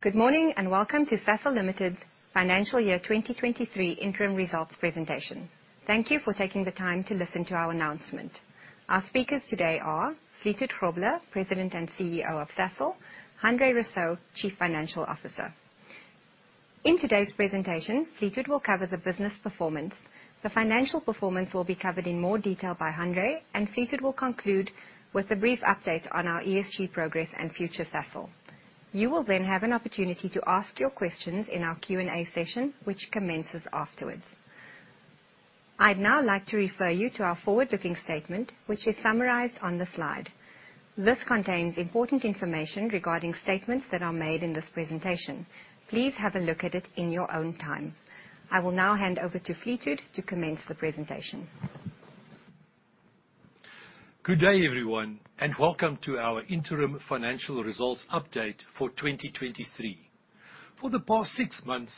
Good morning, and welcome to Sasol Limited's financial year 2023 interim results presentation. Thank you for taking the time to listen to our announcement. Our speakers today are Fleetwood Grobler, President and CEO of Sasol, Hanré Rossouw, Chief Financial Officer. In today's presentation, Fleeta will cover the business performance. The financial performance will be covered in more detail by Hanré. Fleeta will conclude with a brief update on our ESG progress and future Sasol. You will have an opportunity to ask your questions in our Q&A session which commences afterwards. I'd now like to refer you to our forward-looking statement, which is summarized on the slide. This contains important information regarding statements that are made in this presentation. Please have a look at it in your own time. I will now hand over to Fleeta to commence the presentation. Good day, everyone, and welcome to our interim financial results update for 2023. For the past 6 months,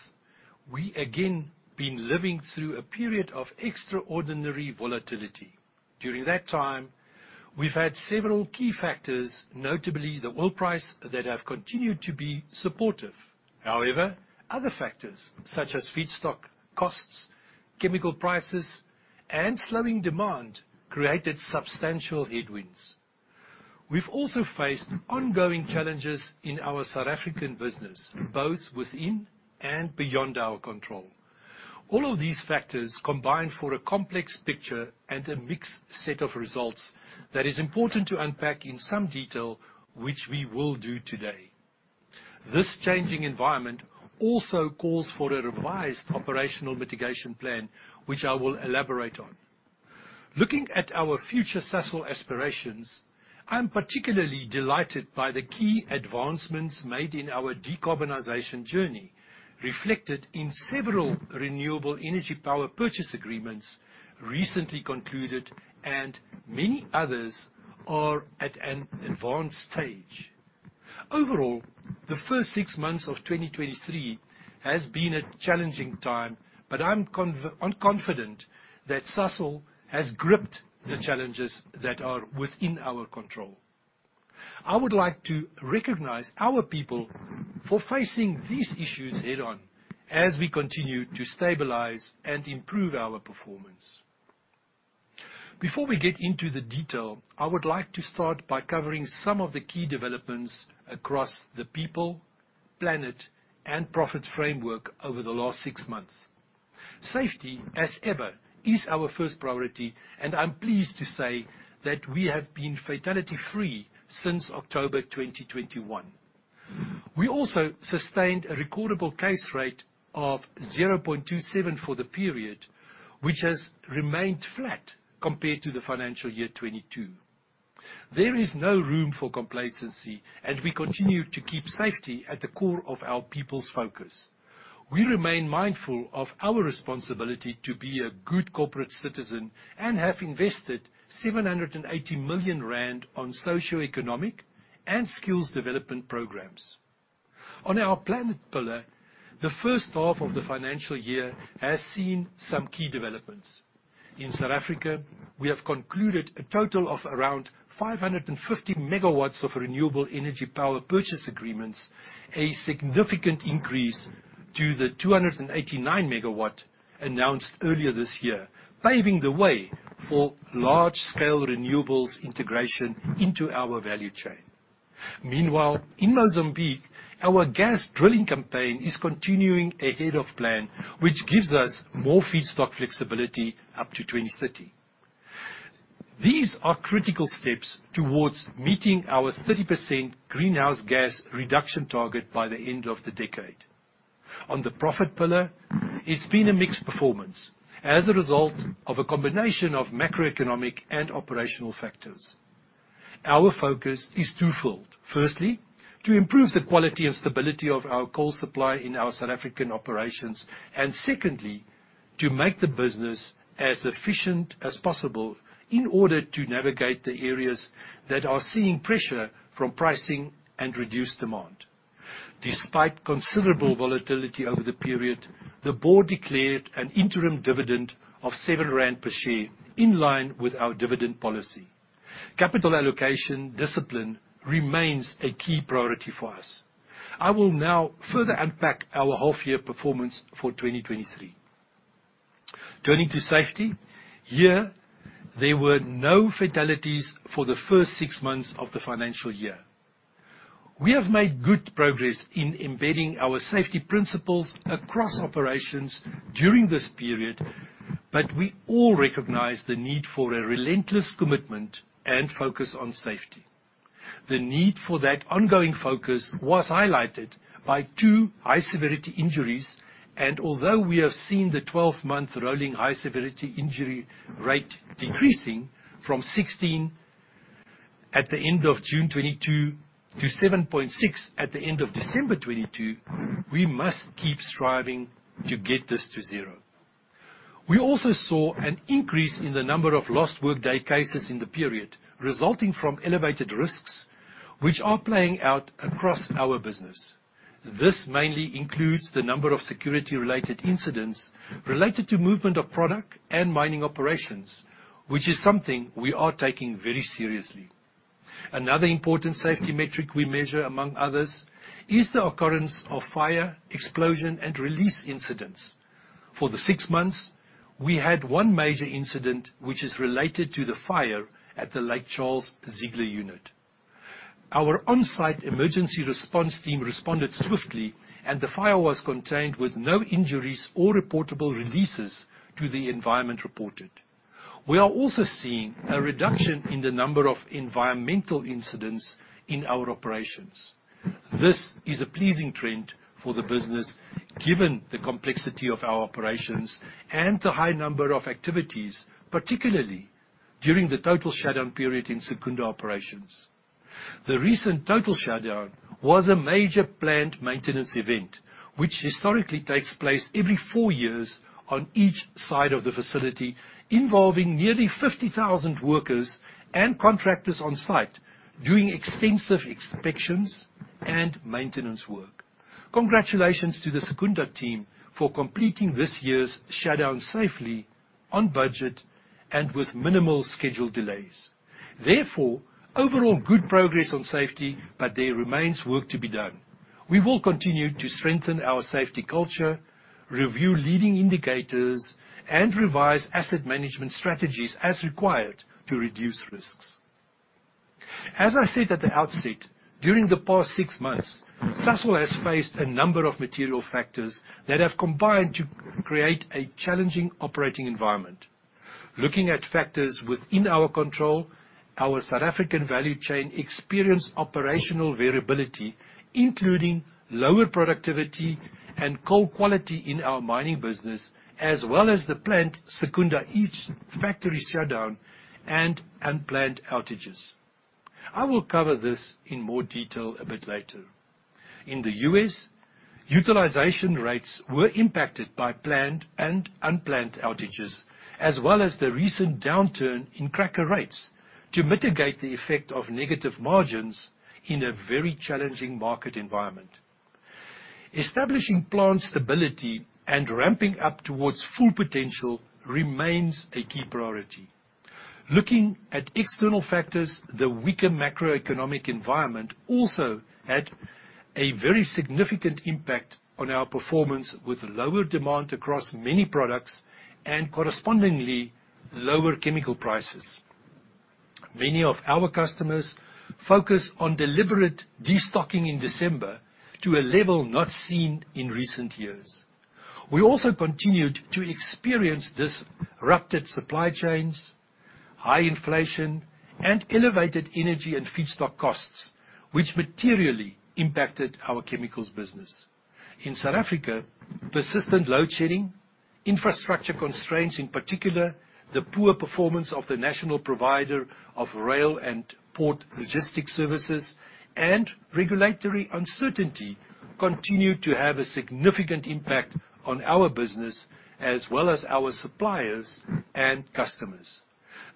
we again been living through a period of extraordinary volatility. During that time, we've had several key factors, notably the oil price, that have continued to be supportive. However, other factors such as feedstock costs, chemical prices, and slowing demand, created substantial headwinds. We've also faced ongoing challenges in our South African business, both within and beyond our control. All of these factors combine for a complex picture and a mixed set of results that is important to unpack in some detail, which we will do today. This changing environment also calls for a revised operational mitigation plan, which I will elaborate on. Looking at our future Sasol aspirations, I am particularly delighted by the key advancements made in our decarbonization journey, reflected in several renewable energy Power Purchase Agreements recently concluded and many others are at an advanced stage. The first 6 months of 2023 has been a challenging time, I'm confident that Sasol has gripped the challenges that are within our control. I would like to recognize our people for facing these issues head-on as we continue to stabilize and improve our performance. Before we get into the detail, I would like to start by covering some of the key developments across the people, planet, and profit framework over the last 6 months. Safety, as ever, is our first priority, and I'm pleased to say that we have been fatality-free since October 2021. We also sustained a recordable case rate of 0.27 for the period, which has remained flat compared to the financial year 22. There is no room for complacency. We continue to keep safety at the core of our people's focus. We remain mindful of our responsibility to be a good corporate citizen and have invested 780 million rand on socioeconomic and skills development programs. On our planet pillar, the first half of the financial year has seen some key developments. In South Africa, we have concluded a total of around 550 MW of renewable energy power purchase agreements, a significant increase to the 289 MW announced earlier this year, paving the way for large-scale renewables integration into our value chain. Meanwhile, in Mozambique, our gas drilling campaign is continuing ahead of plan, which gives us more feedstock flexibility up to 2030. These are critical steps towards meeting our 30% greenhouse gas reduction target by the end of the decade. On the profit pillar, it's been a mixed performance as a result of a combination of macroeconomic and operational factors. Our focus is twofold. Firstly, to improve the quality and stability of our coal supply in our South African operations and secondly, to make the business as efficient as possible in order to navigate the areas that are seeing pressure from pricing and reduced demand. Despite considerable volatility over the period, the board declared an interim dividend of 7 rand per share, in line with our dividend policy. Capital allocation discipline remains a key priority for us. I will now further unpack our half-year performance for 2023. Turning to safety. Here, there were no fatalities for the first six months of the financial year. We have made good progress in embedding our safety principles across operations during this period. We all recognize the need for a relentless commitment and focus on safety. The need for that ongoing focus was highlighted by two high-severity injuries. Although we have seen the 12-month rolling high-severity injury rate decreasing from 16 at the end of June 2022 to 7.6 at the end of December 2022, we must keep striving to get this to zero. We also saw an increase in the number of lost workday cases in the period resulting from elevated risks which are playing out across our business. This mainly includes the number of security-related incidents related to movement of product and mining operations, which is something we are taking very seriously. Another important safety metric we measure among others is the occurrence of fire, explosion, and release incidents. For the six months, we had one major incident which is related to the fire at the Lake Charles Ziegler unit. Our on-site emergency response team responded swiftly, and the fire was contained with no injuries or reportable releases to the environment reported. We are also seeing a reduction in the number of environmental incidents in our operations. This is a pleasing trend for the business, given the complexity of our operations and the high number of activities, particularly during the total shutdown period in Secunda operations. The recent total shutdown was a major planned maintenance event, which historically takes place every four years on each side of the facility, involving nearly 50,000 workers and contractors on site doing extensive inspections and maintenance work. Congratulations to the Secunda team for completing this year's shutdown safely, on budget, and with minimal schedule delays. Overall good progress on safety, but there remains work to be done. We will continue to strengthen our safety culture, review leading indicators, and revise asset management strategies as required to reduce risks. As I said at the outset, during the past six months, Sasol has faced a number of material factors that have combined to create a challenging operating environment. Looking at factors within our control, our South African value chain experienced operational variability, including lower productivity and coal quality in our mining business, as well as the plant Secunda East factory shutdown and unplanned outages. I will cover this in more detail a bit later. In the US, utilization rates were impacted by planned and unplanned outages, as well as the recent downturn in cracker rates to mitigate the effect of negative margins in a very challenging market environment. Establishing plant stability and ramping up towards full potential remains a key priority. Looking at external factors, the weaker macroeconomic environment also had a very significant impact on our performance, with lower demand across many products and correspondingly lower chemical prices. Many of our customers focus on deliberate destocking in December to a level not seen in recent years. We also continued to experience disrupted supply chains, high inflation, and elevated energy and feedstock costs, which materially impacted our chemicals business. In South Africa, persistent load shedding, infrastructure constraints, in particular, the poor performance of the national provider of rail and port logistics services and regulatory uncertainty continue to have a significant impact on our business as well as our suppliers and customers.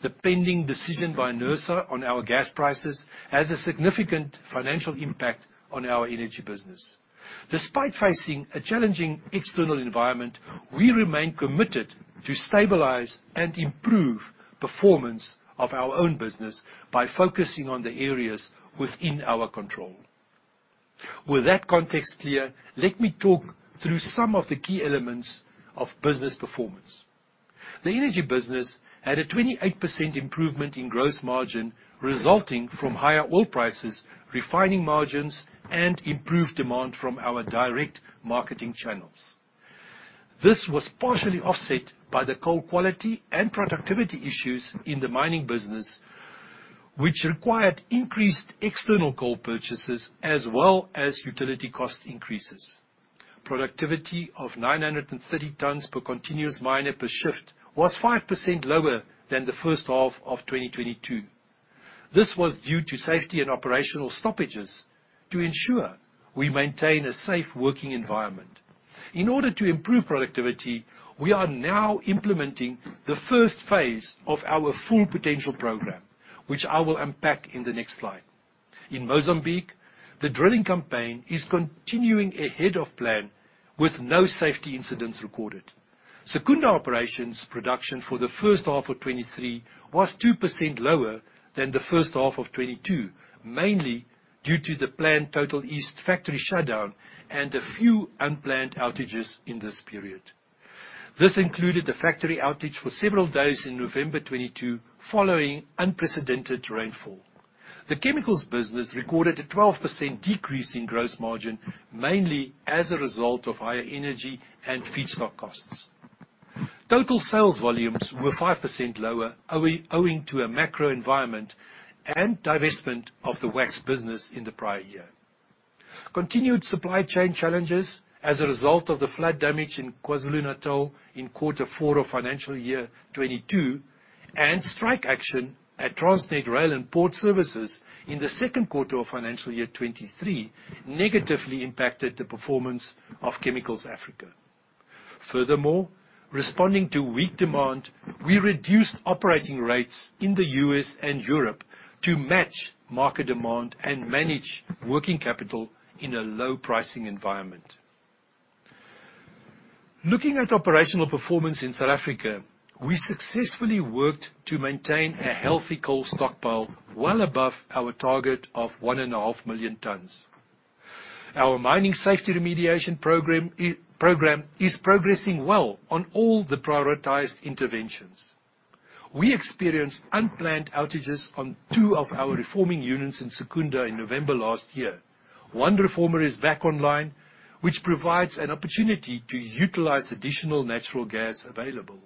The pending decision by NERSA on our gas prices has a significant financial impact on our energy business. Despite facing a challenging external environment, we remain committed to stabilize and improve performance of our own business by focusing on the areas within our control. With that context clear, let me talk through some of the key elements of business performance. The energy business had a 28% improvement in gross margin resulting from higher oil prices, refining margins, and improved demand from our direct marketing channels. This was partially offset by the coal quality and productivity issues in the mining business, which required increased external coal purchases as well as utility cost increases. Productivity of 930 tons per continuous miner per shift was 5% lower than the first half of 2022. This was due to safety and operational stoppages to ensure we maintain a safe working environment. In order to improve productivity, we are now implementing the first phase of our Full Potential Programme, which I will unpack in the next slide. In Mozambique, the drilling campaign is continuing ahead of plan with no safety incidents recorded. Secunda operations production for the first half of 2023 was 2% lower than the first half of 2022, mainly due to the planned total east factory shutdown and a few unplanned outages in this period. This included a factory outage for several days in November 2022 following unprecedented rainfall. The chemicals business recorded a 12% decrease in gross margin, mainly as a result of higher energy and feedstock costs. Total sales volumes were 5% lower, owing to a macro environment and divestment of the wax business in the prior year. Continued supply chain challenges as a result of the flood damage in KwaZulu-Natal in quarter four of financial year 2022 and strike action at Transnet rail and port services in the Q2 of financial year 2023 negatively impacted the performance of Chemicals Africa. Responding to weak demand, we reduced operating rates in the US and Europe to match market demand and manage working capital in a low pricing environment. Looking at operational performance in South Africa, we successfully worked to maintain a healthy coal stockpile well above our target of one and a half million tons. Our mining safety remediation program is progressing well on all the prioritized interventions. We experienced unplanned outages on two of our reforming units in Secunda in November last year. One reformer is back online, which provides an opportunity to utilize additional natural gas available.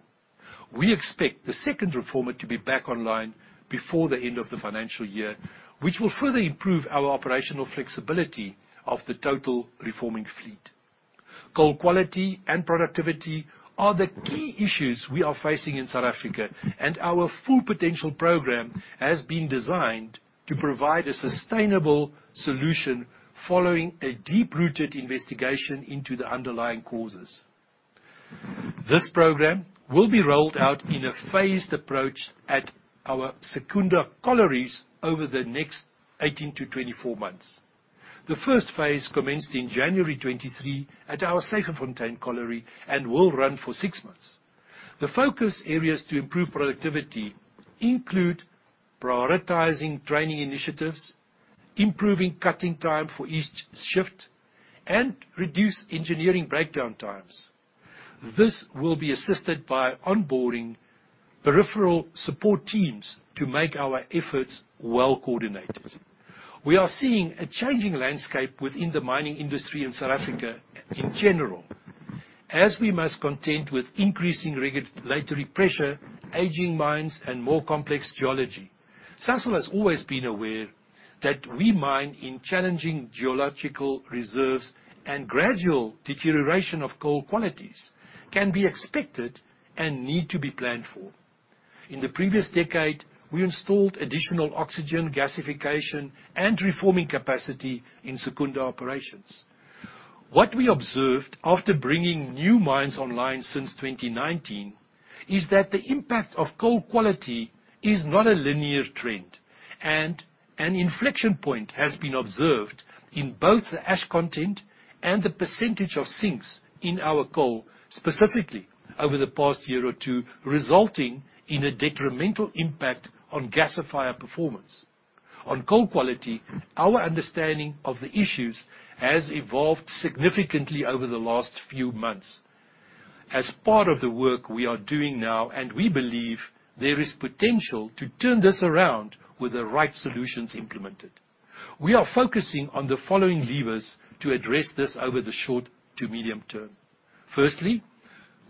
We expect the second reformer to be back online before the end of the financial year, which will further improve our operational flexibility of the total reforming fleet. Coal quality and productivity are the key issues we are facing in South Africa. Our Full Potential Programme has been designed to provide a sustainable solution following a deep-rooted investigation into the underlying causes. This program will be rolled out in a phased approach at our Secunda Collieries over the next 18-24 months. The first phase commenced in January 2023 at our Syferfontein Colliery and will run for 6 months. The focus areas to improve productivity include prioritizing training initiatives, improving cutting time for each shift, and reduce engineering breakdown times. This will be assisted by onboarding peripheral support teams to make our efforts well coordinated. We are seeing a changing landscape within the mining industry in South Africa in general, as we must contend with increasing regulatory pressure, aging mines, and more complex geology. Sasol has always been aware that we mine in challenging geological reserves, gradual deterioration of coal qualities can be expected and need to be planned for. In the previous decade, we installed additional oxygen gasification and reforming capacity in Secunda operations. What we observed after bringing new mines online since 2019 is that the impact of coal quality is not a linear trend, an inflection point has been observed in both the ash content and the % of sinks in our coal, specifically over the past year or two, resulting in a detrimental impact on gasifier performance. On coal quality, our understanding of the issues has evolved significantly over the last few months as part of the work we are doing now, we believe there is potential to turn this around with the right solutions implemented. We are focusing on the following levers to address this over the short to medium term. Firstly,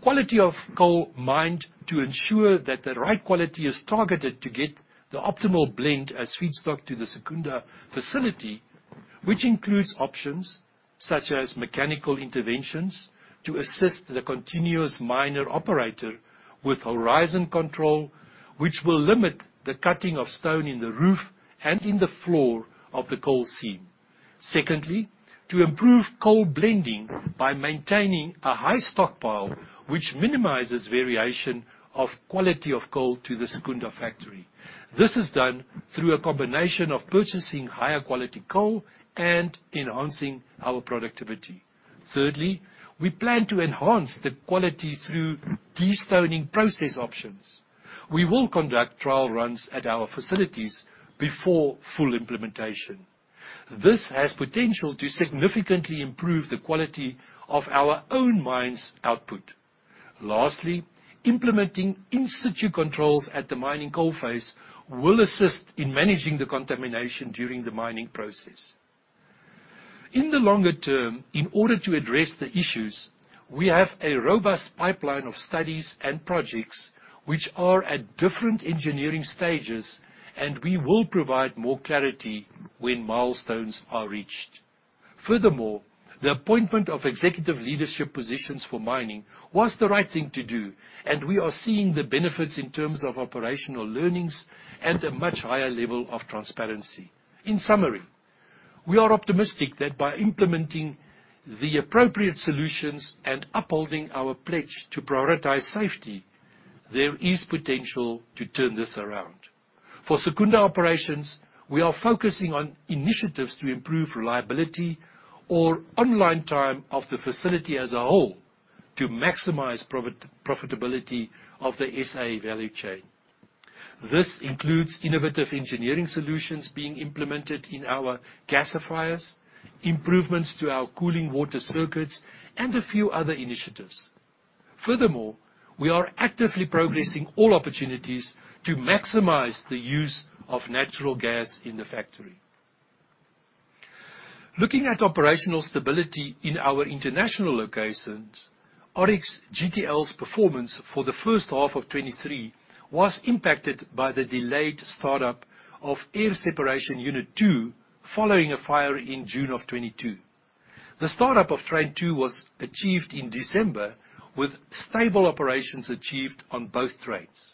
quality of coal mined to ensure that the right quality is targeted to get the optimal blend as feedstock to the Secunda facility, which includes options such as mechanical interventions to assist the continuous miner operator with horizon control, which will limit the cutting of stone in the roof and in the floor of the coal seam. Secondly, to improve coal blending by maintaining a high stockpile which minimizes variation of quality of coal to the Secunda factory. This is done through a combination of purchasing higher-quality coal and enhancing our productivity. Thirdly, we plan to enhance the quality through destoning process options. We will conduct trial runs at our facilities before full implementation. This has potential to significantly improve the quality of our own mine's output. Lastly, implementing in-situ controls at the mining coal face will assist in managing the contamination during the mining process. In the longer term, in order to address the issues, we have a robust pipeline of studies and projects which are at different engineering stages, and we will provide more clarity when milestones are reached. Furthermore, the appointment of executive leadership positions for mining was the right thing to do, and we are seeing the benefits in terms of operational learnings and a much higher level of transparency. In summary, we are optimistic that by implementing the appropriate solutions and upholding our pledge to prioritize safety, there is potential to turn this around. For Secunda operations, we are focusing on initiatives to improve reliability or online time of the facility as a whole to maximize profitability of the SA value chain. This includes innovative engineering solutions being implemented in our gasifiers, improvements to our cooling water circuits, and a few other initiatives. We are actively progressing all opportunities to maximize the use of natural gas in the factory. Looking at operational stability in our international locations, Oryx GTL's performance for the first half of 2023 was impacted by the delayed startup of Air Separation Unit 2 following a fire in June of 2022. The startup of train 2 was achieved in December, with stable operations achieved on both trains.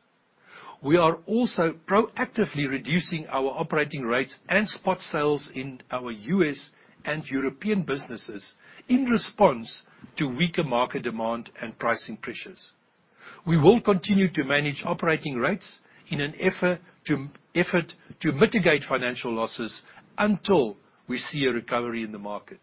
We are also proactively reducing our operating rates and spot sales in our US and European businesses in response to weaker market demand and pricing pressures. We will continue to manage operating rates in an effort to mitigate financial losses until we see a recovery in the market.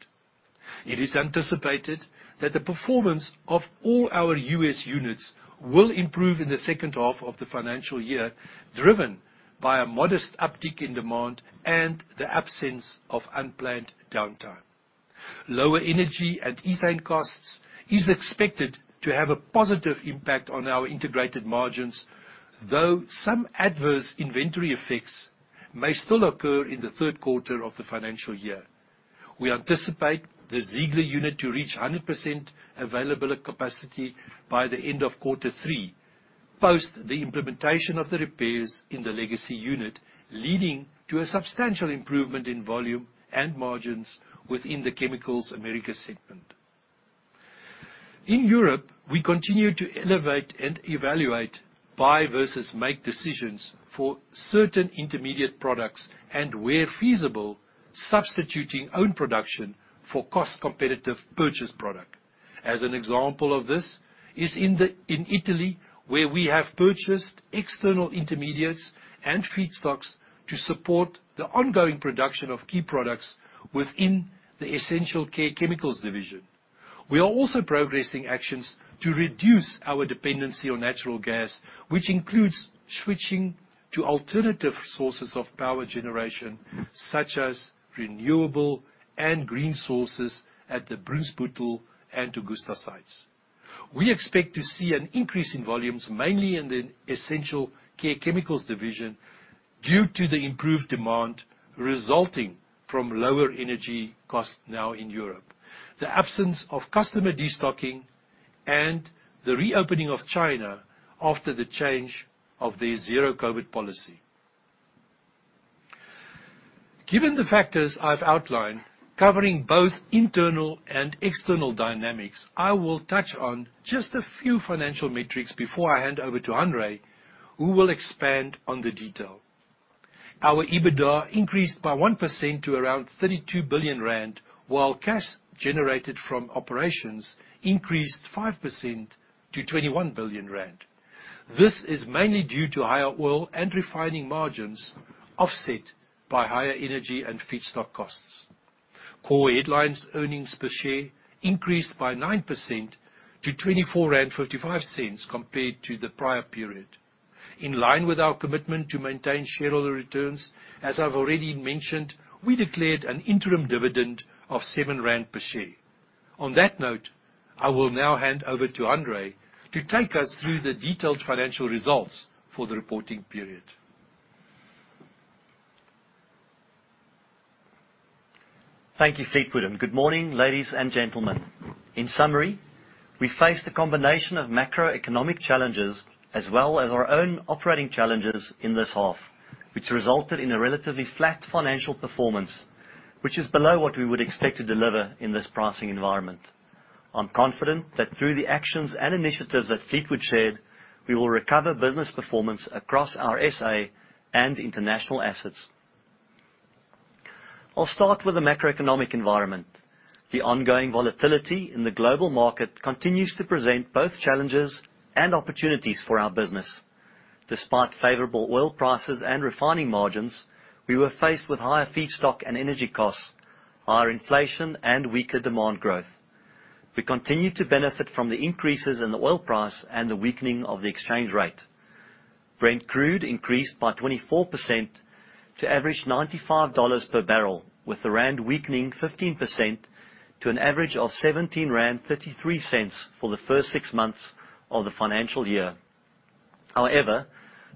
It is anticipated that the performance of all our US units will improve in the second half of the financial year, driven by a modest uptick in demand and the absence of unplanned downtime. Lower energy and ethane costs is expected to have a positive impact on our integrated margins, though some adverse inventory effects may still occur in the Q3 of the financial year. We anticipate the Ziegler unit to reach 100% available capacity by the end of quarter three, post the implementation of the repairs in the legacy unit, leading to a substantial improvement in volume and margins within the Chemicals America segment. In Europe, we continue to elevate and evaluate buy versus make decisions for certain intermediate products, and where feasible, substituting own production for a cost-competitive purchase product. As an example of this is in the... in Italy, where we have purchased external intermediates and feedstocks to support the ongoing production of key products within the Essential Care Chemicals division. We are also progressing actions to reduce our dependency on natural gas, which includes switching to alternative sources of power generation, such as renewable and green sources at the Brunsbüttel and Augusta sites. We expect to see an increase in volumes, mainly in the Essential Care Chemicals division, due to the improved demand resulting from lower energy costs now in Europe, the absence of customer destocking, and the reopening of China after the change of their zero-COVID policy. Given the factors I've outlined covering both internal and external dynamics, I will touch on just a few financial metrics before I hand over to Hanré, who will expand on the detail. Our EBITDA increased by 1% to around 32 billion rand, while cash generated from operations increased 5% to 21 billion rand. This is mainly due to higher oil and refining margins offset by higher energy and feedstock costs. Core headline earnings per share increased by 9% to 24.55 compared to the prior period. In line with our commitment to maintain shareholder returns, as I've already mentioned, we declared an interim dividend of 7 rand per share. On that note, I will now hand over to Hanré to take us through the detailed financial results for the reporting period. Thank you, Fleetwood. Good morning, ladies and gentlemen. In summary, we faced a combination of macroeconomic challenges as well as our own operating challenges in this half, which resulted in a relatively flat financial performance, which is below what we would expect to deliver in this pricing environment. I'm confident that through the actions and initiatives that Fleetwood shared, we will recover business performance across our SA and international assets. I'll start with the macroeconomic environment. The ongoing volatility in the global market continues to present both challenges and opportunities for our business. Despite favorable oil prices and refining margins, we were faced with higher feedstock and energy costs, higher inflation, and weaker demand growth. We continue to benefit from the increases in the oil price and the weakening of the exchange rate. Brent crude increased by 24% to average $95 per barrel, with the rand weakening 15% to an average of 17.33 for the first 6 months of the financial year. However,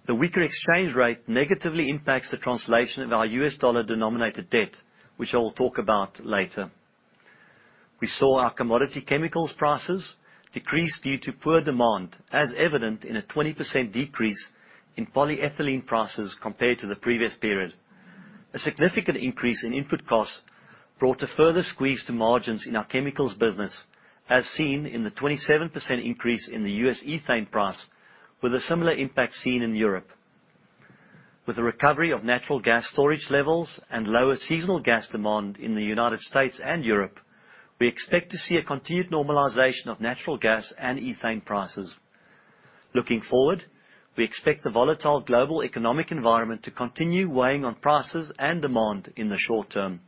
the weaker exchange rate negatively impacts the translation of our US dollar-denominated debt, which I will talk about later. We saw our commodity chemicals prices decrease due to poor demand, as evident in a 20% decrease in polyethylene prices compared to the previous period. A significant increase in input costs brought a further squeeze to margins in our chemicals business, as seen in the 27% increase in the US ethane price, with a similar impact seen in Europe. With the recovery of natural gas storage levels and lower seasonal gas demand in the United States and Europe, we expect to see a continued normalization of natural gas and ethane prices. Looking forward, we expect the volatile global economic environment to continue weighing on prices and demand in the short term.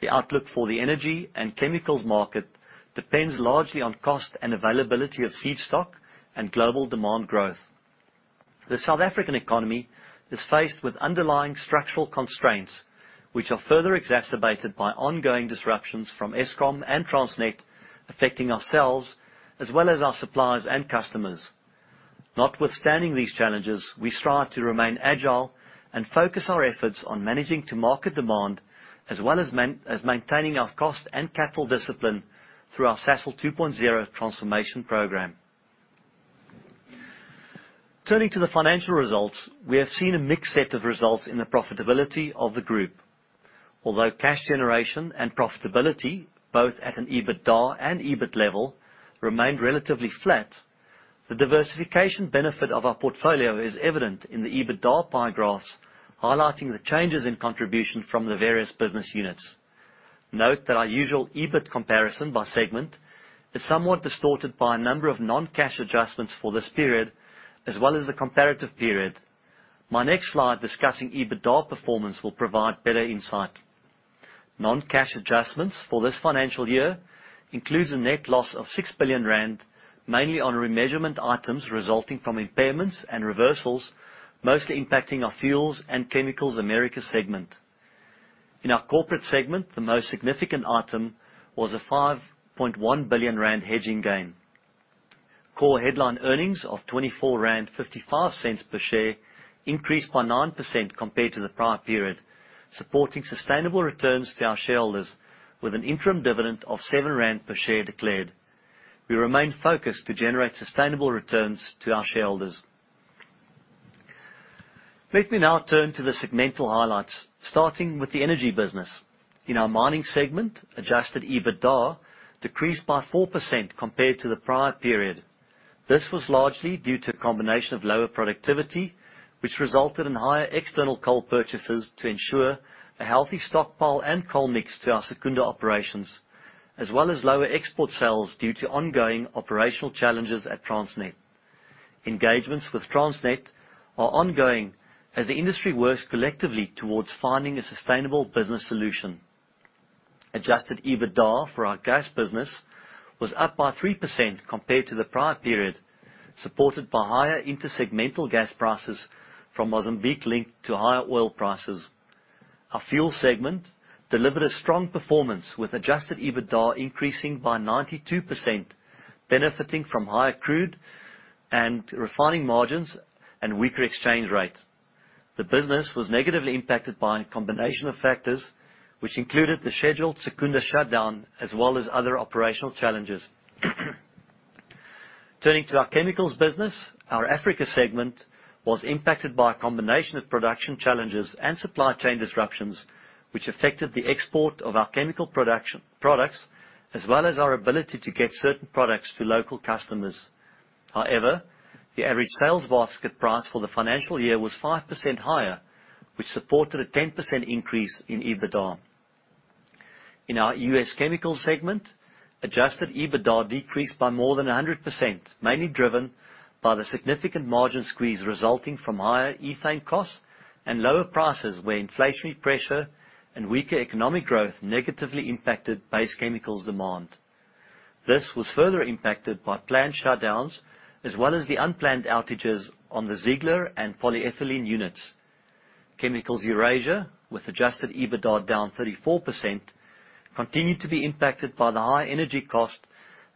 The outlook for the energy and chemicals market depends largely on cost and availability of feedstock and global demand growth. The South African economy is faced with underlying structural constraints, which are further exacerbated by ongoing disruptions from Eskom and Transnet, affecting ourselves as well as our suppliers and customers. Notwithstanding these challenges, we strive to remain agile and focus our efforts on managing to market demand as well as maintaining our cost and capital discipline through our Sasol 2.0 Transformation Program. Turning to the financial results, we have seen a mixed set of results in the profitability of the group. Although cash generation and profitability, both at an EBITDA and EBIT level, remained relatively flat, the diversification benefit of our portfolio is evident in the EBITDA pie graphs, highlighting the changes in contribution from the various business units. Note that our usual EBIT comparison by segment is somewhat distorted by a number of non-cash adjustments for this period as well as the comparative period. My next slide discussing EBITDA performance will provide better insight. Non-cash adjustments for this financial year includes a net loss of 6 billion rand, mainly on remeasurement items resulting from impairments and reversals, mostly impacting our Fuels and Chemicals Americas segment. In our corporate segment, the most significant item was a 5.1 billion rand hedging gain. Core headline earnings of 24.55 rand per share increased by 9% compared to the prior period, supporting sustainable returns to our shareholders with an interim dividend of 7 rand per share declared. We remain focused to generate sustainable returns to our shareholders. Let me now turn to the segmental highlights, starting with the Energy Business. In our Mining Segment, adjusted EBITDA decreased by 4% compared to the prior period. This was largely due to a combination of lower productivity, which resulted in higher external coal purchases to ensure a healthy stockpile and coal mix to our Secunda operations, as well as lower export sales due to ongoing operational challenges at Transnet. Engagements with Transnet are ongoing as the industry works collectively towards finding a sustainable business solution. Adjusted EBITDA for our gas business was up by 3% compared to the prior period, supported by higher intersegmental gas prices from Mozambique linked to higher oil prices. Our fuel segment delivered a strong performance with adjusted EBITDA increasing by 92%, benefiting from higher crude and refining margins and weaker exchange rates. The business was negatively impacted by a combination of factors, which included the scheduled Secunda shutdown as well as other operational challenges. Turning to our Chemicals business, our Africa segment was impacted by a combination of production challenges and supply chain disruptions, which affected the export of our chemical production products as well as our ability to get certain products to local customers. The average sales basket price for the financial year was 5% higher, which supported a 10% increase in EBITDA. In our US chemical segment, adjusted EBITDA decreased by more than 100%, mainly driven by the significant margin squeeze resulting from higher ethane costs and lower prices where inflationary pressure and weaker economic growth negatively impacted base chemicals demand. This was further impacted by planned shutdowns as well as the unplanned outages on the Ziegler and polyethylene units. Chemicals Eurasia, with adjusted EBITDA down 34%, continued to be impacted by the high energy cost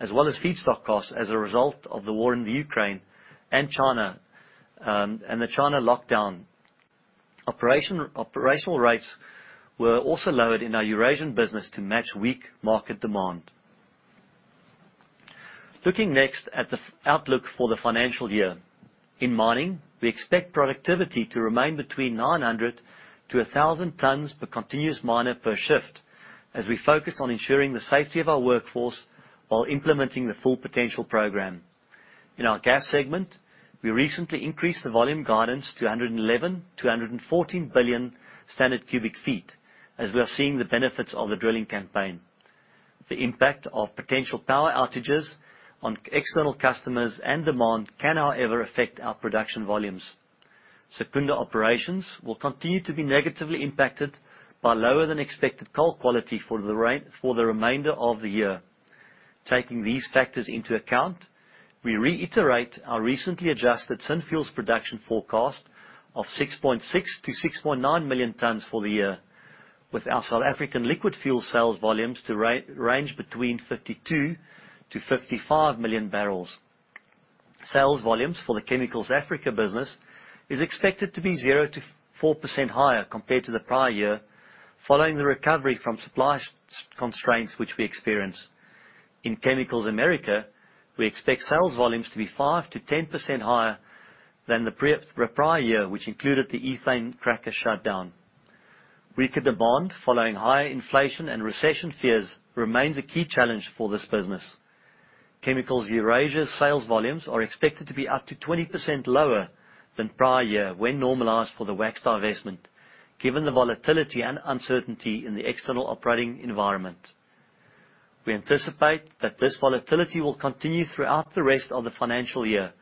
as well as feedstock costs as a result of the war in the Ukraine and China, and the China lockdown. Operational rates were also lowered in our Eurasian business to match weak market demand. Looking next at the outlook for the financial year. In mining, we expect productivity to remain between 900 to 1,000 tons per continuous miner per shift as we focus on ensuring the safety of our workforce while implementing the Full Potential Programme. In our gas segment, we recently increased the volume guidance to 111 to 114 billion standard cubic feet as we are seeing the benefits of the drilling campaign. The impact of potential power outages on external customers and demand can, however, affect our production volumes. Secunda operations will continue to be negatively impacted by lower-than-expected coal quality for the remainder of the year. Taking these factors into account, we reiterate our recently adjusted Synfuels production forecast of 6.6 million-6.9 million tons for the year, with our South African liquid fuel sales volumes to range between 52 million-55 million barrels. Sales volumes for the Chemicals Africa business is expected to be 0%-4% higher compared to the prior year following the recovery from supply constraints which we experienced. In Chemicals America, we expect sales volumes to be 5%-10% higher than the prior year, which included the ethane cracker shutdown. Weaker demand following higher inflation and recession fears remains a key challenge for this business. Chemicals Eurasia sales volumes are expected to be up to 20% lower than prior year when normalized for the wax divestment, given the volatility and uncertainty in the external operating environment. We anticipate that this volatility will continue throughout the rest of the financial year,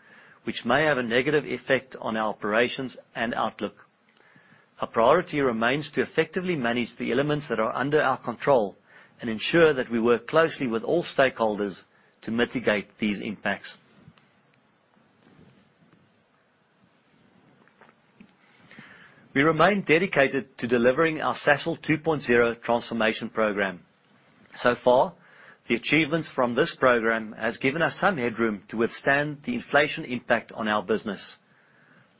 which may have a negative effect on our operations and outlook. Our priority remains to effectively manage the elements that are under our control and ensure that we work closely with all stakeholders to mitigate these impacts. We remain dedicated to delivering our Sasol 2.0 transformation program. So far, the achievements from this program has given us some headroom to withstand the inflation impact on our business.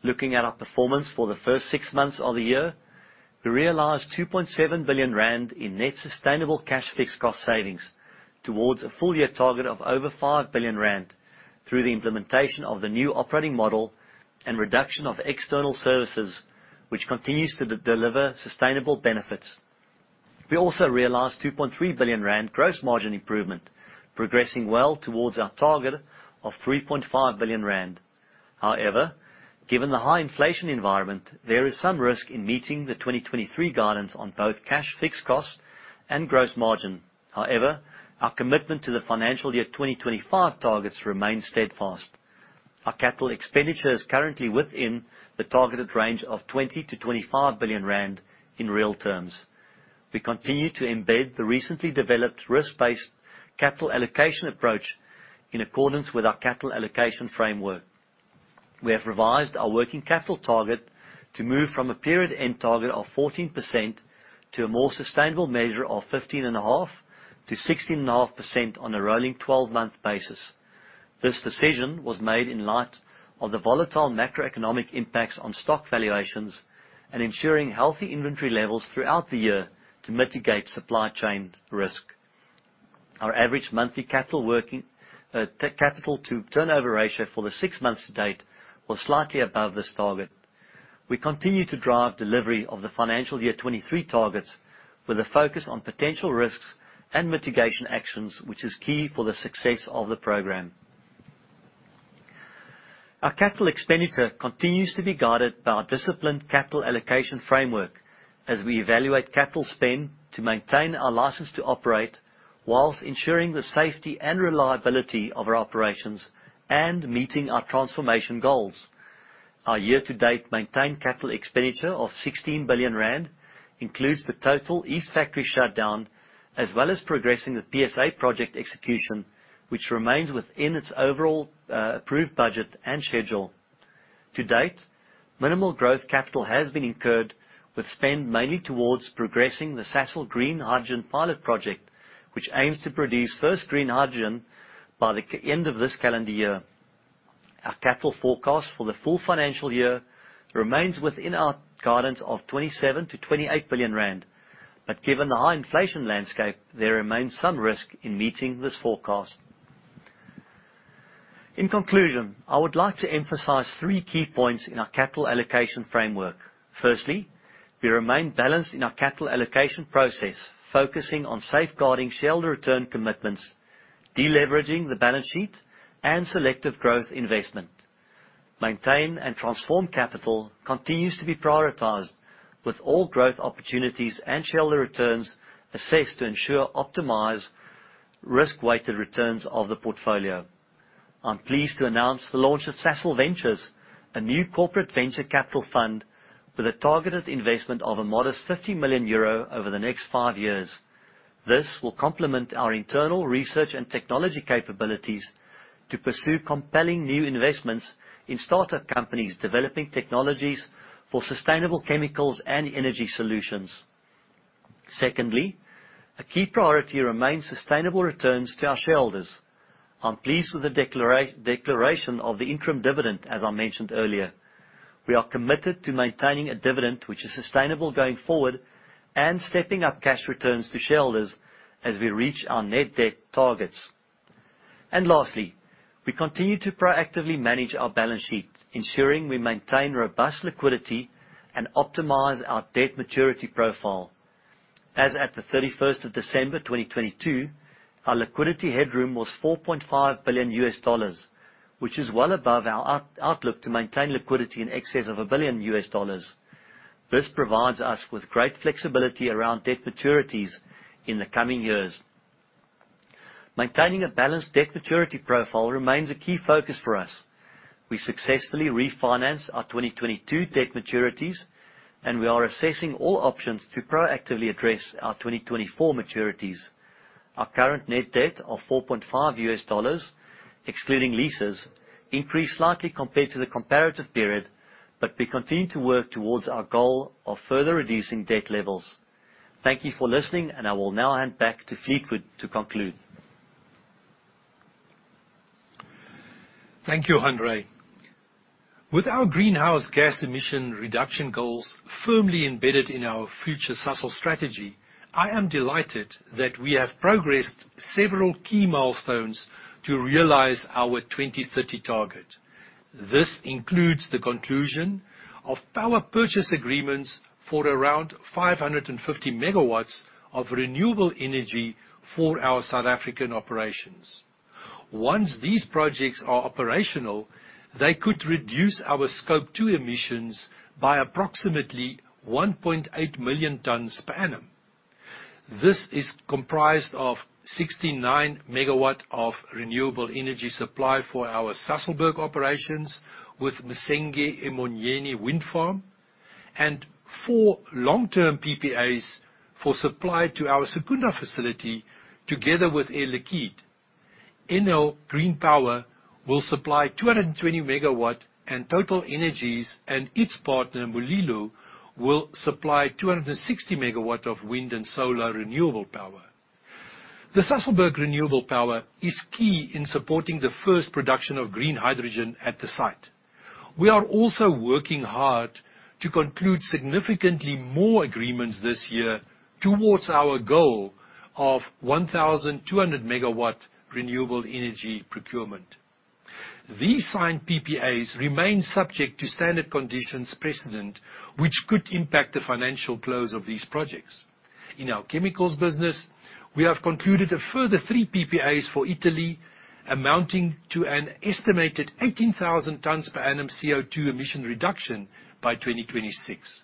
Looking at our performance for the first six months of the year, we realized 2.7 billion rand in net sustainable cash fixed cost savings towards a full year target of over 5 billion rand through the implementation of the new operating model and reduction of external services, which continues to de-deliver sustainable benefits. We also realized 2.3 billion rand gross margin improvement, progressing well towards our target of 3.5 billion rand. Given the high inflation environment, there is some risk in meeting the 2023 guidance on both cash fixed costs and gross margin. Our commitment to the financial year 2025 targets remain steadfast. Our capital expenditure is currently within the targeted range of 20 billion-25 billion rand in real terms. We continue to embed the recently developed risk-based capital allocation approach in accordance with our capital allocation framework. We have revised our working capital target to move from a period-end target of 14% to a more sustainable measure of 15.5%-16.5% on a rolling 12-month basis. This decision was made in light of the volatile macroeconomic impacts on stock valuations and ensuring healthy inventory levels throughout the year to mitigate supply chain risk. Our average monthly capital-to-turnover ratio for the 6 months to date was slightly above this target. We continue to drive delivery of the financial year 23 targets with a focus on potential risks and mitigation actions, which is key for the success of the program. Our capital expenditure continues to be guided by our disciplined capital allocation framework as we evaluate capital spend to maintain our license to operate whilst ensuring the safety and reliability of our operations and meeting our transformation goals. Our year-to-date maintained capital expenditure of 16 billion rand includes the total east factory shutdown, as well as progressing the PSA project execution, which remains within its overall approved budget and schedule. To date, minimal growth capital has been incurred, with spend mainly towards progressing the Sasol green hydrogen pilot project, which aims to produce first green hydrogen by the end of this calendar year. Our capital forecast for the full financial year remains within our guidance of 27 billion-28 billion rand, but given the high inflation landscape, there remains some risk in meeting this forecast. In conclusion, I would like to emphasize 3 key points in our capital allocation framework. Firstly, we remain balanced in our capital allocation process, focusing on safeguarding shareholder return commitments, de-leveraging the balance sheet, and selective growth investment. Maintain and transform capital continues to be prioritized with all growth opportunities and shareholder returns assessed to ensure optimized risk-weighted returns of the portfolio. I'm pleased to announce the launch of Sasol Ventures, a new corporate venture capital fund with a targeted investment of a modest 50 million euro over the next five years. This will complement our internal research and technology capabilities to pursue compelling new investments in startup companies developing technologies for sustainable chemicals and energy solutions. Secondly, a key priority remains sustainable returns to our shareholders. I'm pleased with the declaration of the interim dividend, as I mentioned earlier. We are committed to maintaining a dividend which is sustainable going forward and stepping up cash returns to shareholders as we reach our net debt targets. Lastly, we continue to proactively manage our balance sheet, ensuring we maintain robust liquidity and optimize our debt maturity profile. As at the thirty-first of December, 2022, our liquidity headroom was $4.5 billion, which is well above our out-outlook to maintain liquidity in excess of $1 billion. This provides us with great flexibility around debt maturities in the coming years. Maintaining a balanced debt maturity profile remains a key focus for us. We successfully refinanced our 2022 debt maturities. We are assessing all options to proactively address our 2024 maturities. Our current net debt of $4.5, excluding leases, increased slightly compared to the comparative period. We continue to work towards our goal of further reducing debt levels. Thank you for listening. I will now hand back to Fleetwood to conclude. Thank you, Hanré. With our greenhouse gas emission reduction goals firmly embedded in our future Sasol strategy, I am delighted that we have progressed several key milestones to realize our 2030 target. This includes the conclusion of Power Purchase Agreements for around 550 MW of renewable energy for our South African operations. Once these projects are operational, they could reduce our Scope 2 emissions by approximately 1.8 million tons per annum. This is comprised of 69 MW of renewable energy supply for our Sasolburg operations with Msenge Emoyeni Wind Farm and 4 long-term PPAs for supply to our Secunda facility together with Air Liquide. Enel Green Power will supply 220 MW, and TotalEnergies and its partner, Mulilo, will supply 260 MW of wind and solar renewable power. The Sasolburg renewable power is key in supporting the first production of green hydrogen at the site. We are also working hard to conclude significantly more agreements this year towards our goal of 1,200 MW renewable energy procurement. These signed PPAs remain subject to standard conditions precedent, which could impact the financial close of these projects. In our chemicals business, we have concluded a further three PPAs for Italy, amounting to an estimated 18,000 tons per annum CO2 emission reduction by 2026.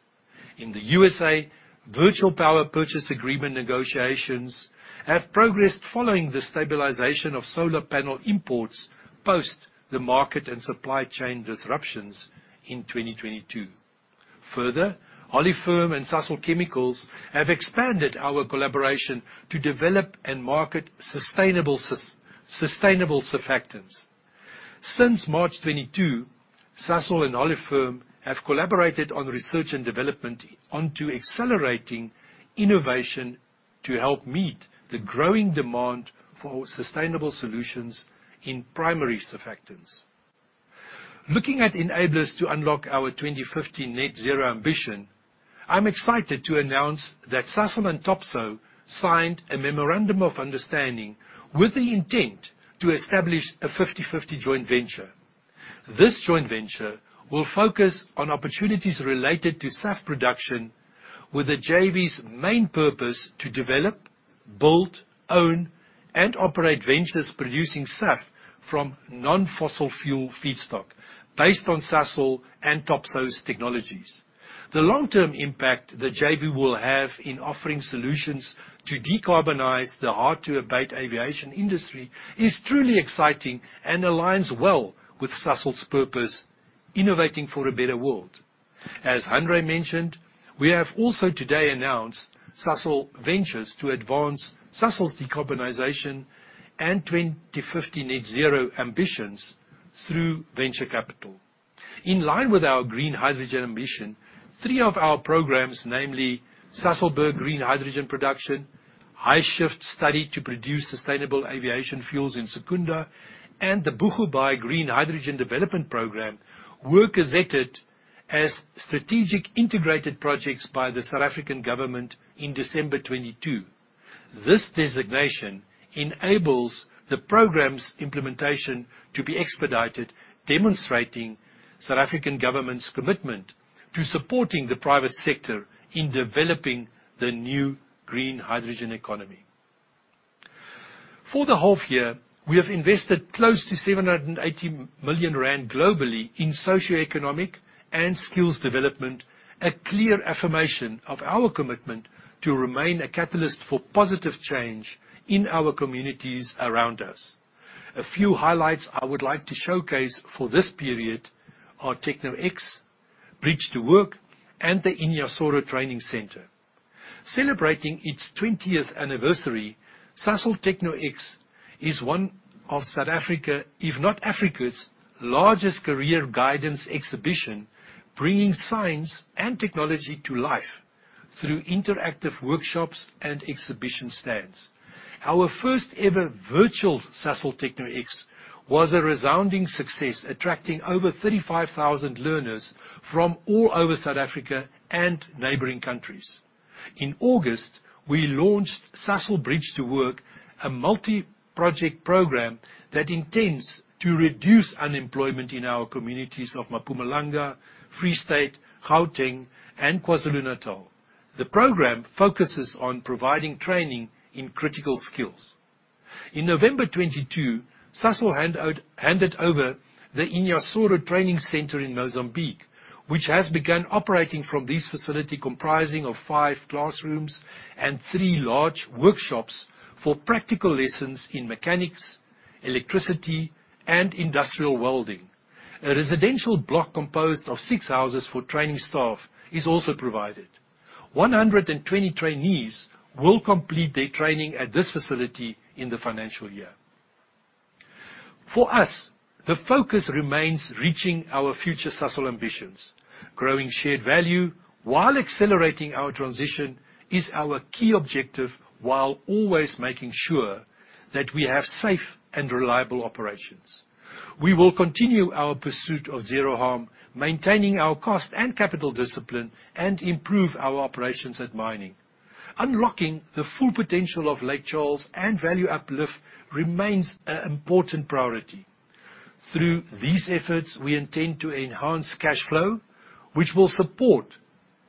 In the USA, virtual power purchase agreement negotiations have progressed following the stabilization of solar panel imports post the market and supply chain disruptions in 2022. Further, Olefim and Sasol Chemicals have expanded our collaboration to develop and market sustainable surfactants. Since March 22, Sasol and Olefim have collaborated on research and development onto accelerating innovation to help meet the growing demand for sustainable solutions in primary surfactants. Looking at enablers to unlock our 2050 net zero ambition, I'm excited to announce that Sasol and Topsoe signed a memorandum of understanding with the intent to establish a 50/50 joint venture. This joint venture will focus on opportunities related to SAF production, with the JV's main purpose to develop, build, own, and operate ventures producing SAF from non-fossil fuel feedstock based on Sasol and Topsoe's technologies. The long-term impact the JV will have in offering solutions to decarbonize the hard-to-abate aviation industry is truly exciting and aligns well with Sasol's purpose, innovating for a better world. As Hanré mentioned, we have also today announced Sasol Ventures to advance Sasol's decarbonization and 2050 net zero ambitions through venture capital. In line with our green hydrogen emission, three of our programs, namely Sasolburg Green Hydrogen Production, HySHiFT Study to Produce Sustainable Aviation Fuels in Secunda, and the Boegoebaai Green Hydrogen Development Program, were gazetted as Strategic Integrated Projects by the South African Government in December 2022. This designation enables the program's implementation to be expedited, demonstrating South African Government's commitment to supporting the private sector in developing the new green hydrogen economy. For the half year, we have invested close to 780 million rand globally in socioeconomic and skills development, a clear affirmation of our commitment to remain a catalyst for positive change in our communities around us. A few highlights I would like to showcase for this period are Sasol TechnoX, Sasol Bridge to Work, and the Inhassoro Training Center. Celebrating its 20th anniversary, Sasol TechnoX is one of South Africa, if not Africa's, largest career guidance exhibition, bringing science and technology to life through interactive workshops and exhibition stands. Our first ever virtual Sasol TechnoX was a resounding success, attracting over 35,000 learners from all over South Africa and neighboring countries. In August, we launched Sasol Bridge to Work, a multi-project program that intends to reduce unemployment in our communities of Mpumalanga, Free State, Gauteng, and KwaZulu-Natal. The program focuses on providing training in critical skills. In November 2022, Sasol handed over the Inhassoro Training Center in Mozambique, which has begun operating from this facility comprising of five classrooms and three large workshops for practical lessons in mechanics, electricity, and industrial welding. A residential block composed of six houses for training staff is also provided. 120 trainees will complete their training at this facility in the financial year. For us, the focus remains reaching our future Sasol ambitions. Growing shared value while accelerating our transition is our key objective, while always making sure that we have safe and reliable operations. We will continue our pursuit of zero harm, maintaining our cost and capital discipline, and improve our operations at mining. Unlocking the full potential of Lake Charles and value uplift remains an important priority. Through these efforts, we intend to enhance cashflow, which will support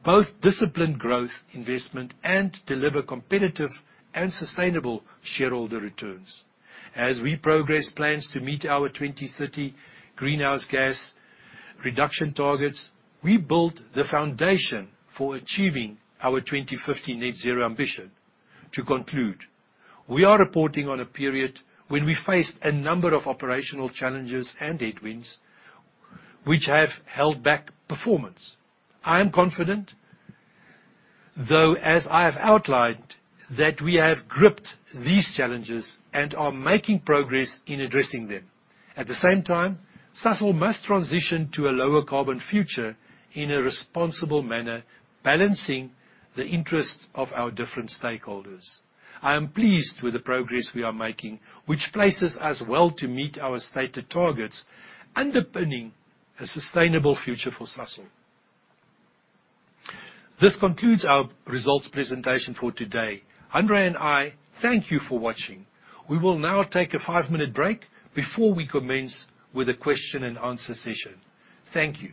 both disciplined growth investment and deliver competitive and sustainable shareholder returns. As we progress plans to meet our 2030 greenhouse gas reduction targets, we build the foundation for achieving our 2050 net zero ambition. We are reporting on a period when we faced a number of operational challenges and headwinds which have held back performance. I am confident, though, as I have outlined, that we have gripped these challenges and are making progress in addressing them. At the same time, Sasol must transition to a lower-carbon future in a responsible manner, balancing the interests of our different stakeholders. I am pleased with the progress we are making, which places us well to meet our stated targets, underpinning a sustainable future for Sasol. This concludes our results presentation for today. Hanré and I thank you for watching. We will now take a 5-minute break before we commence with the question and answer session. Thank you.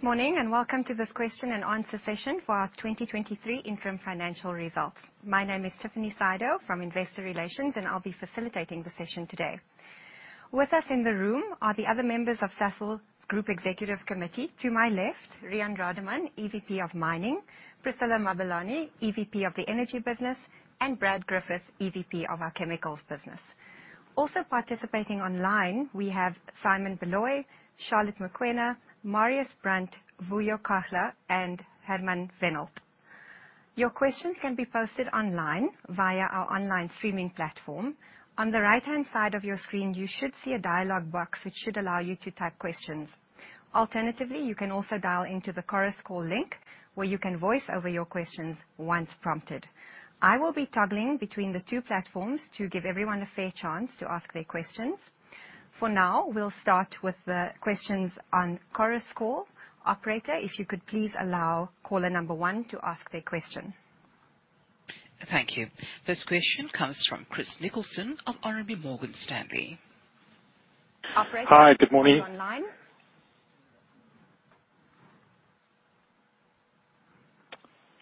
Good morning, and welcome to this question and answer session for our 2023 interim financial results. My name is Tiffany Sydow from Investor Relations, and I'll be facilitating the session today. With us in the room are the other members of Sasol Group Executive Committee. To my left, Rian Vredeman, EVP of Mining. Priscillah Mabelane, EVP of the Energy Business, and Brad Griffith, EVP of our Chemicals Business. Also participating online, we have Simon Baloyi, Charlotte Mokoena, Marius Brand, Vuyo Kahla, and Hermann Wenhold. Your questions can be posted online via our online streaming platform. On the right-hand side of your screen, you should see a dialog box, which should allow you to type questions. Alternatively, you can also dial into the Chorus Call link, where you can voice over your questions once prompted. I will be toggling between the two platforms to give everyone a fair chance to ask their questions. For now, we'll start with the questions on Chorus Call. Operator, if you could please allow caller number one to ask their question. Thank you. First question comes from Christopher Nicolson of RMB Morgan Stanley. Operator- Hi. Good morning. -online.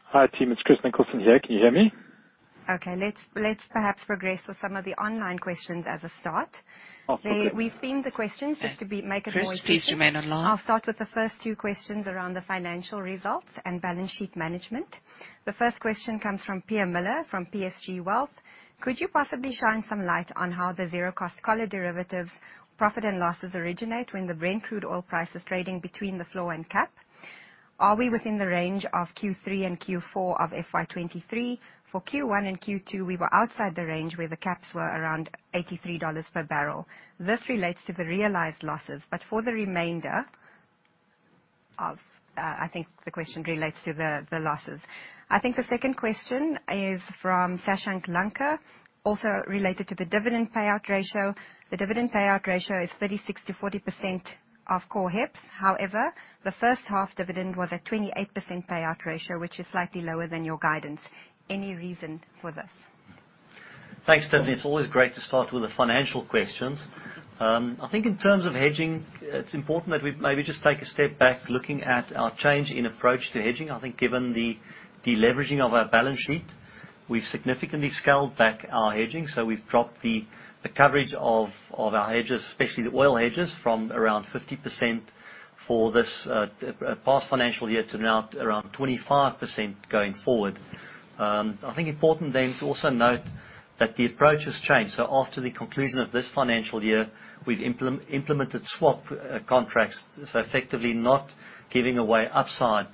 Hi, team. It's Christopher Nicholson here. Can you hear me? Okay. Let's perhaps progress with some of the online questions as a start. Oh, okay. We've themed the questions make it more interesting. Chris, please remain online. I'll start with the first two questions around the financial results and balance sheet management. The first question comes from Pierre Muller, from PSG Wealth. Could you possibly shine some light on how the zero-cost collar derivatives profit and losses originate when the Brent crude oil price is trading between the floor and cap? Are we within the range of Q3 and Q4 of FY 2023? For Q1 and Q2, we were outside the range where the caps were around $83 per barrel. This relates to the realized losses. I think the question relates to the losses. The second question is from Sashank Lanka, also related to the dividend payout ratio. The dividend payout ratio is 36%-40% of core HEPS. The first half dividend was a 28% payout ratio, which is slightly lower than your guidance. Any reason for this? Thanks, Tiffany. It's always great to start with the financial questions. I think in terms of hedging, it's important that we maybe just take a step back looking at our change in approach to hedging. I think given the deleveraging of our balance sheet, we've significantly scaled back our hedging, so we've dropped the coverage of our hedges, especially the oil hedges, from around 50% for this past financial year to now around 25% going forward. I think important then to also note that the approach has changed. After the conclusion of this financial year, we've implemented swap contracts, so effectively not giving away upside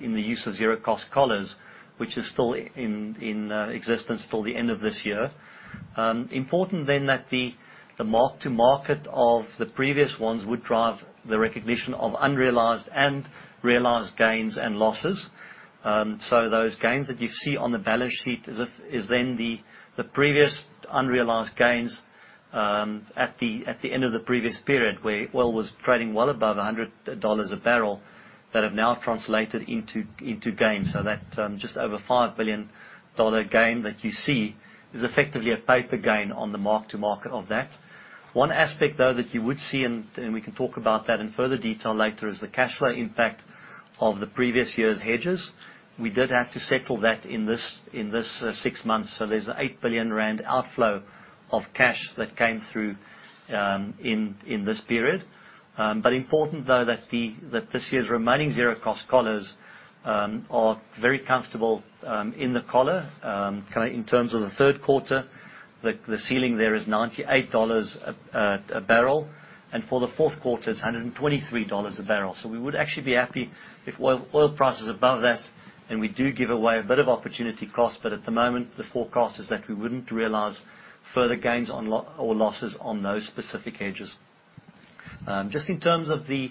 in the use of zero-cost collars, which is still in existence till the end of this year. Important that the mark-to-market of the previous ones would drive the recognition of unrealized and realized gains and losses. Those gains that you see on the balance sheet is then the previous unrealized gains at the end of the previous period, where oil was trading well above $100 a barrel, that have now translated into gains. That just over $5 billion gain that you see is effectively a paper gain on the mark-to-market of that. One aspect, though, that you would see, and we can talk about that in further detail later, is the cashflow impact of the previous year's hedges. We did have to settle that in this 6 months. There's a 8 billion rand outflow of cash that came through in this period. Important, though, that this year's remaining zero-cost collars are very comfortable in the collar. In terms of the Q3, the ceiling there is $98 a barrel, and for the Q4 it's $123 a barrel. We would actually be happy if oil price is above that, then we do give away a bit of opportunity cost, but at the moment, the forecast is that we wouldn't realize further gains on or losses on those specific hedges. Just in terms of the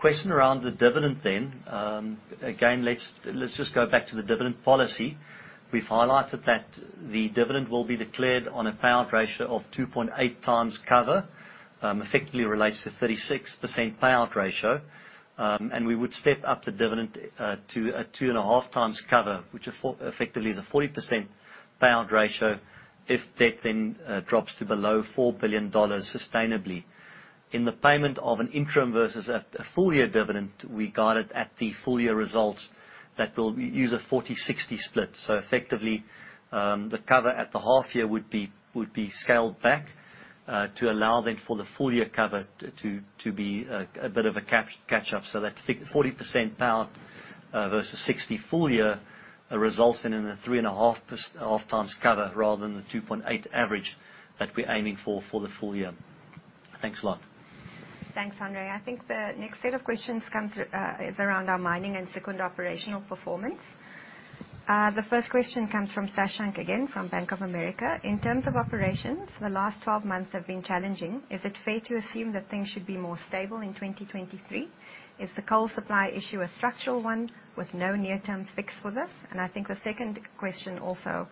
question around the dividend then. Let's just go back to the dividend policy. We've highlighted that the dividend will be declared on a payout ratio of 2.8 times cover, effectively relates to 36% payout ratio. We would step up the dividend to a 2.5 times cover, which effectively is a 40% payout ratio if debt then drops to below $4 billion sustainably. In the payment of an interim versus a full year dividend, we guide it at the full year results that will use a 40/60 split. Effectively, the cover at the half year would be scaled back to allow then for the full year cover to be a bit of a catch up. That 40% payout versus 60 full-year results in a 3.5 times cover rather than the 2.8 average that we're aiming for the full year. Thanks a lot. Thanks, Hanré. I think the next set of questions is around our mining and Secunda operational performance. The first question comes from Shashank again from Bank of America. In terms of operations, the last 12 months have been challenging. Is it fair to assume that things should be more stable in 2023? Is the coal supply issue a structural one with no near-term fix for this? I think the second question also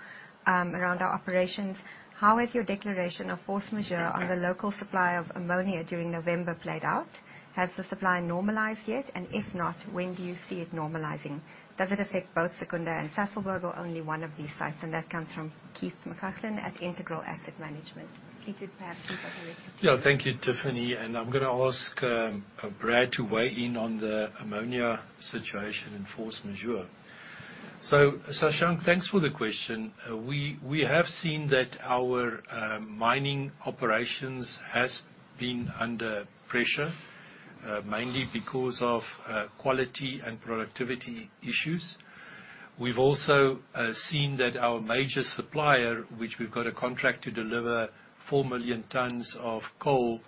around our operations. How has your declaration of force majeure on the local supply of ammonia during November played out? Has the supply normalized yet? If not, when do you see it normalizing? Does it affect both Secunda and Sasolburg or only one of these sites? That comes from Keith McLachlan at Integral Asset Management. Keith is perhaps on the phone with us. Yeah. Thank you, Tiffany. I'm gonna ask Brad to weigh in on the ammonia situation and force majeure. Sashank, thanks for the question. We have seen that our mining operations has been under pressure, mainly because of quality and productivity issues. We've also seen that our major supplier, which we've got a contract to deliver 4 million tons of coal,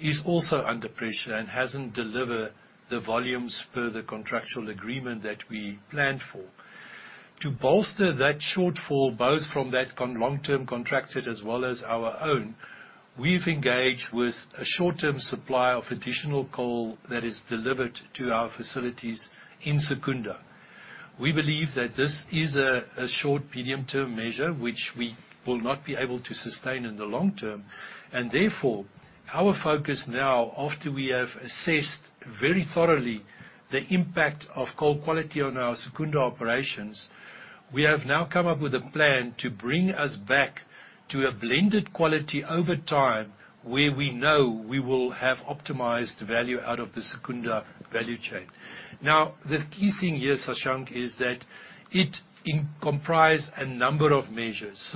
is also under pressure and hasn't deliver the volumes per the contractual agreement that we planned for. To bolster that shortfall, both from that long-term contracted as well as our own, we've engaged with a short-term supply of additional coal that is delivered to our facilities in Secunda. We believe that this is a short medium-term measure, which we will not be able to sustain in the long term. Therefore, our focus now, after we have assessed very thoroughly the impact of coal quality on our Secunda operations, we have now come up with a plan to bring us back to a blended quality over time where we know we will have optimized value out of the Secunda value chain. The key thing here, Shashank, is that it comprise a number of measures.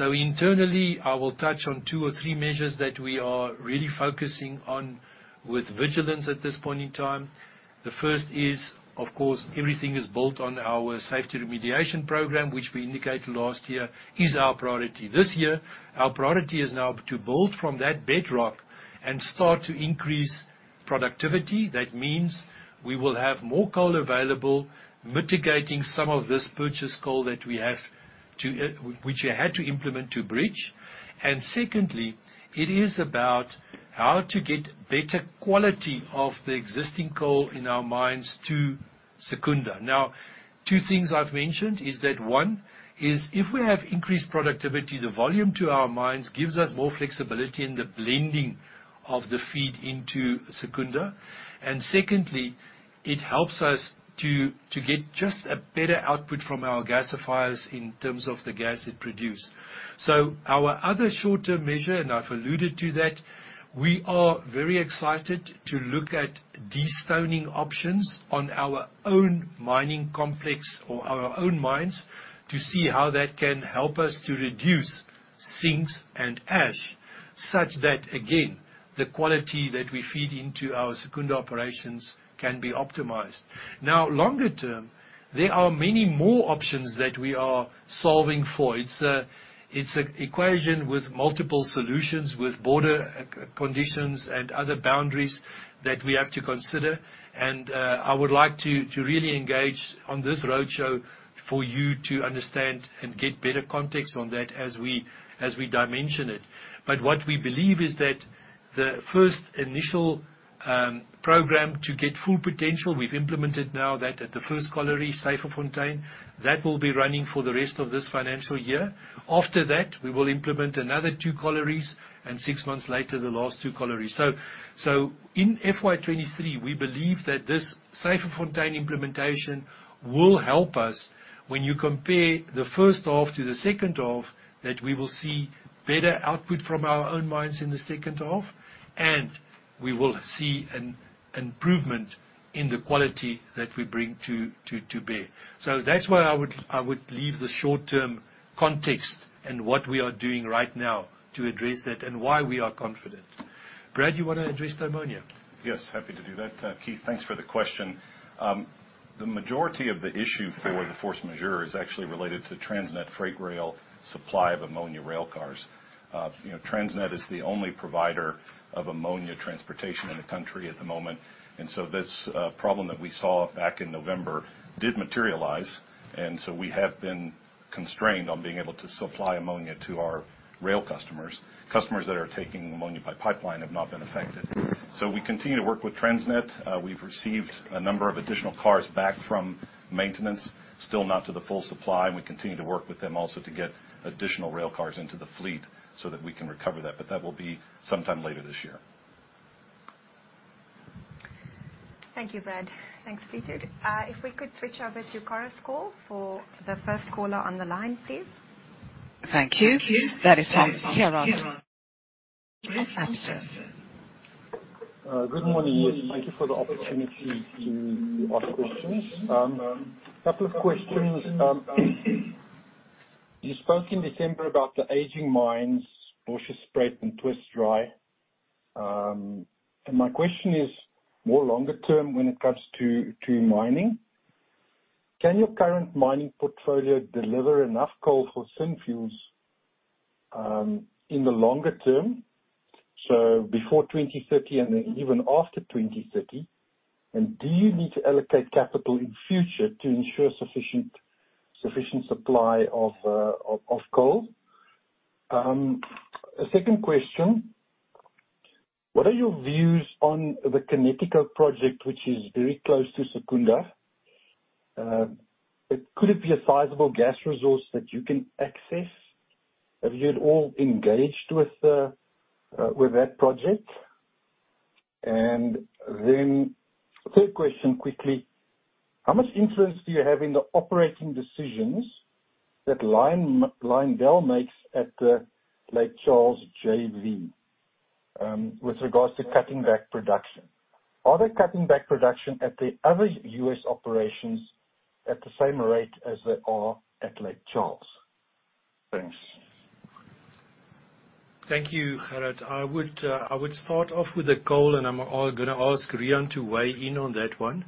Internally, I will touch on two or three measures that we are really focusing on with vigilance at this point in time. The first is, of course, everything is built on our safety remediation program, which we indicated last year is our priority. This year, our priority is now to build from that bedrock and start to increase productivity. That means we will have more coal available, mitigating some of this purchase coal that we have to, which we had to implement to bridge. It is about how to get better quality of the existing coal in our mines to Secunda. Two things I've mentioned is that, one, is if we have increased productivity, the volume to our mines gives us more flexibility in the blending of the feed into Secunda. It helps us to get just a better output from our gasifiers in terms of the gas it produce. Our other short-term measure, and I've alluded to that, we are very excited to look at destoning options on our own mining complex or our own mines to see how that can help us to reduce sinks and ash, such that, again, the quality that we feed into our Secunda operations can be optimized. Now, longer term, there are many more options that we are solving for. It's a equation with multiple solutions, with border conditions and other boundaries that we have to consider. I would like to really engage on this roadshow for you to understand and get better context on that as we dimension it. What we believe is that the first initial program to get Full Potential, we've implemented now that at the first colliery, Syferfontein, that will be running for the rest of this financial year. After that, we will implement another two collieries, and six months later, the last two collieries. In FY 2023, we believe that this Syferfontein implementation will help us, when you compare the first half to the second half, that we will see better output from our own mines in the second half, and we will see an improvement in the quality that we bring to bear. That's where I would leave the short-term context and what we are doing right now to address that and why we are confident. Brad, you wanna address the ammonia? Yes, happy to do that. Keith, thanks for the question. The majority of the issue for the force majeure is actually related to Transnet Freight Rail supply of ammonia rail cars. you know, Transnet is the only provider of ammonia transportation in the country at the moment. This problem that we saw back in November did materialize, and so we have been constrained on being able to supply ammonia to our rail customers. Customers that are taking ammonia by pipeline have not been affected. We continue to work with Transnet. We've received a number of additional cars back from maintenance, still not to the full supply, and we continue to work with them also to get additional rail cars into the fleet so that we can recover that. That will be sometime later this year. Thank you, Brad. Thanks, Peter. If we could switch over to Kara's call for the first caller on the line, please. Thank you. That is from Gerhard Engelbrecht. Good morning. Yes, thank you for the opportunity to ask questions. A couple of questions. You spoke in December about the aging mines, Bosjesspruit and Twistdraai. My question is more longer-term when it comes to mining. Can your current mining portfolio deliver enough coal for Synfuels in the longer term, so before 2030 and even after 2030? Do you need to allocate capital in future to ensure sufficient supply of coal? A second question: What are your views on the Kinetiko project, which is very close to Secunda? Could it be a sizable gas resource that you can access? Have you at all engaged with that project? Third question quickly: How much influence do you have in the operating decisions that Limedale makes at Lake Charles JV with regards to cutting back production? Are they cutting back production at the other US operations at the same rate as they are at Lake Charles? Thanks. Thank you, Gerhard. I would start off with the coal, and I'm al-gonna ask Riaan to weigh in on that one.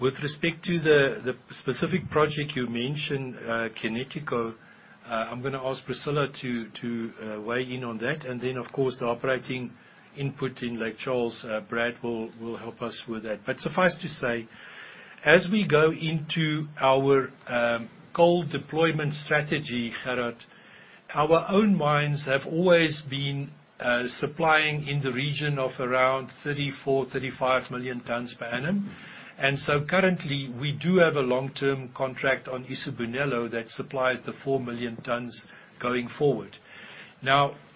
With respect to the specific project you mentioned, Kinetiko, I'm gonna ask Priscilla to weigh in on that, and then, of course, the operating input in Lake Charles, Brad will help us with that. Suffice to say, as we go into our coal deployment strategy, Gerhard, our own mines have always been supplying in the region of around 34, 35 million tons per annum. Currently, we do have a long-term contract on Isibonelo that supplies the 4 million tons going forward.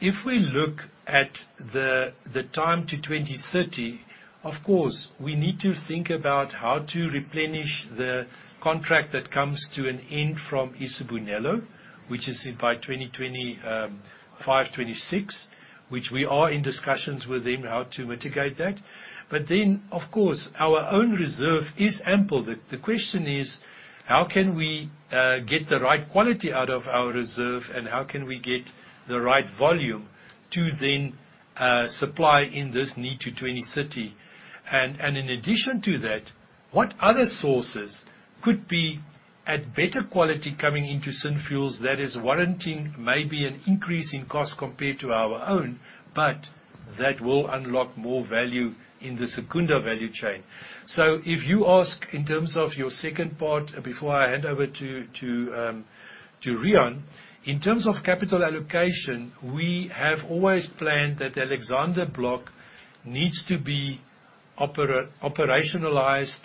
If we look at the time to 2030, of course, we need to think about how to replenish the contract that comes to an end from Isibonelo, which is by 2025, 2026, which we are in discussions with them how to mitigate that. Of course, our own reserve is ample. The question is: How can we get the right quality out of our reserve, and how can we get the right volume to then supply in this need to 2030? In addition to that, what other sources could be at better quality coming into Synfuels that is warranting maybe an increase in cost compared to our own, but that will unlock more value in the Secunda value chain? If you ask in terms of your second part, before I hand over to Riaan, in terms of capital allocation, we have always planned that Alexander Block needs to be operationalized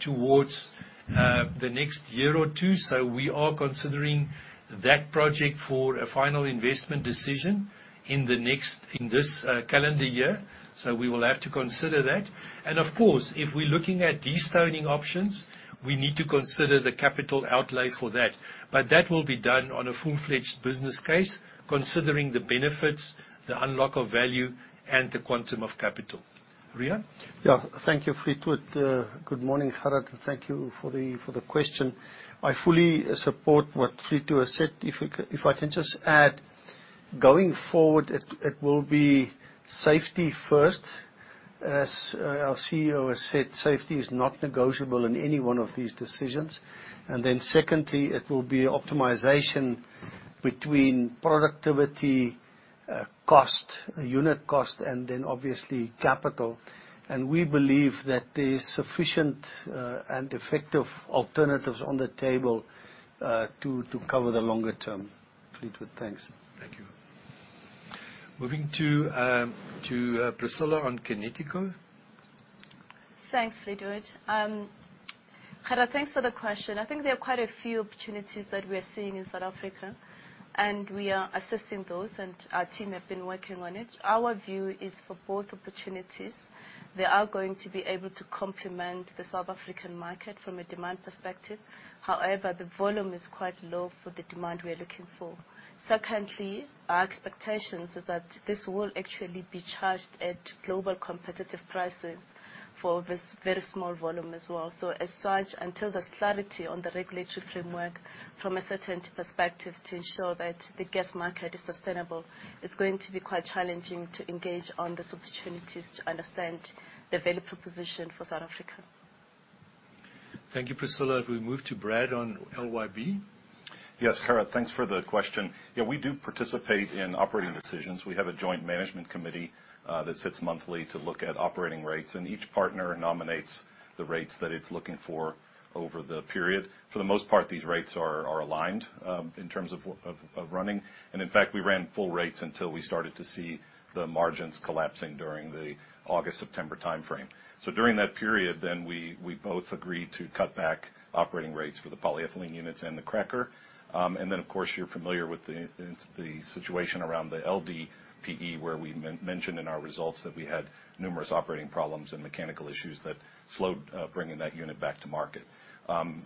towards the next year or two, so we are considering that project for a final investment decision in this calendar year, so we will have to consider that. Of course, if we're looking at destoning options, we need to consider the capital outlay for that. That will be done on a full-fledged business case, considering the benefits, the unlock of value, and the quantum of capital. Riaan? Yeah. Thank you, Fleetwood. Good morning, Gerhard, thank you for the question. I fully support what Fleetwood has said. If I can just add, going forward, it will be safety first. As our CEO has said, safety is not negotiable in any one of these decisions. Secondly, it will be optimization between productivity, cost, unit cost, and then obviously capital. We believe that there's sufficient and effective alternatives on the table to cover the longer term. Fleetwood, thanks. Thank you. Moving to Priscilla on Kinetiko. Thanks, Fleetwood. Gerhard, thanks for the question. I think there are quite a few opportunities that we are seeing in South Africa, and we are assessing those, and our team have been working on it. Our view is for both opportunities, they are going to be able to complement the South African market from a demand perspective. The volume is quite low for the demand we're looking for. Secondly, our expectations is that this will actually be charged at global competitive prices for this very small volume as well. Until there's clarity on the regulatory framework from a certainty perspective to ensure that the gas market is sustainable, it's going to be quite challenging to engage on these opportunities to understand the value proposition for South Africa. Thank you, Priscilla. If we move to Brad on LYB. Yes, Kara, thanks for the question. Yeah, we do participate in operating decisions. We have a joint management committee that sits monthly to look at operating rates, and each partner nominates the rates that it's looking for over the period. For the most part, these rates are aligned in terms of running. In fact, we ran full rates until we started to see the margins collapsing during the August-September timeframe. During that period then, we both agreed to cut back operating rates for the polyethylene units and the cracker. Of course, you're familiar with the situation around the LDPE, where we mentioned in our results that we had numerous operating problems and mechanical issues that slowed bringing that unit back to market.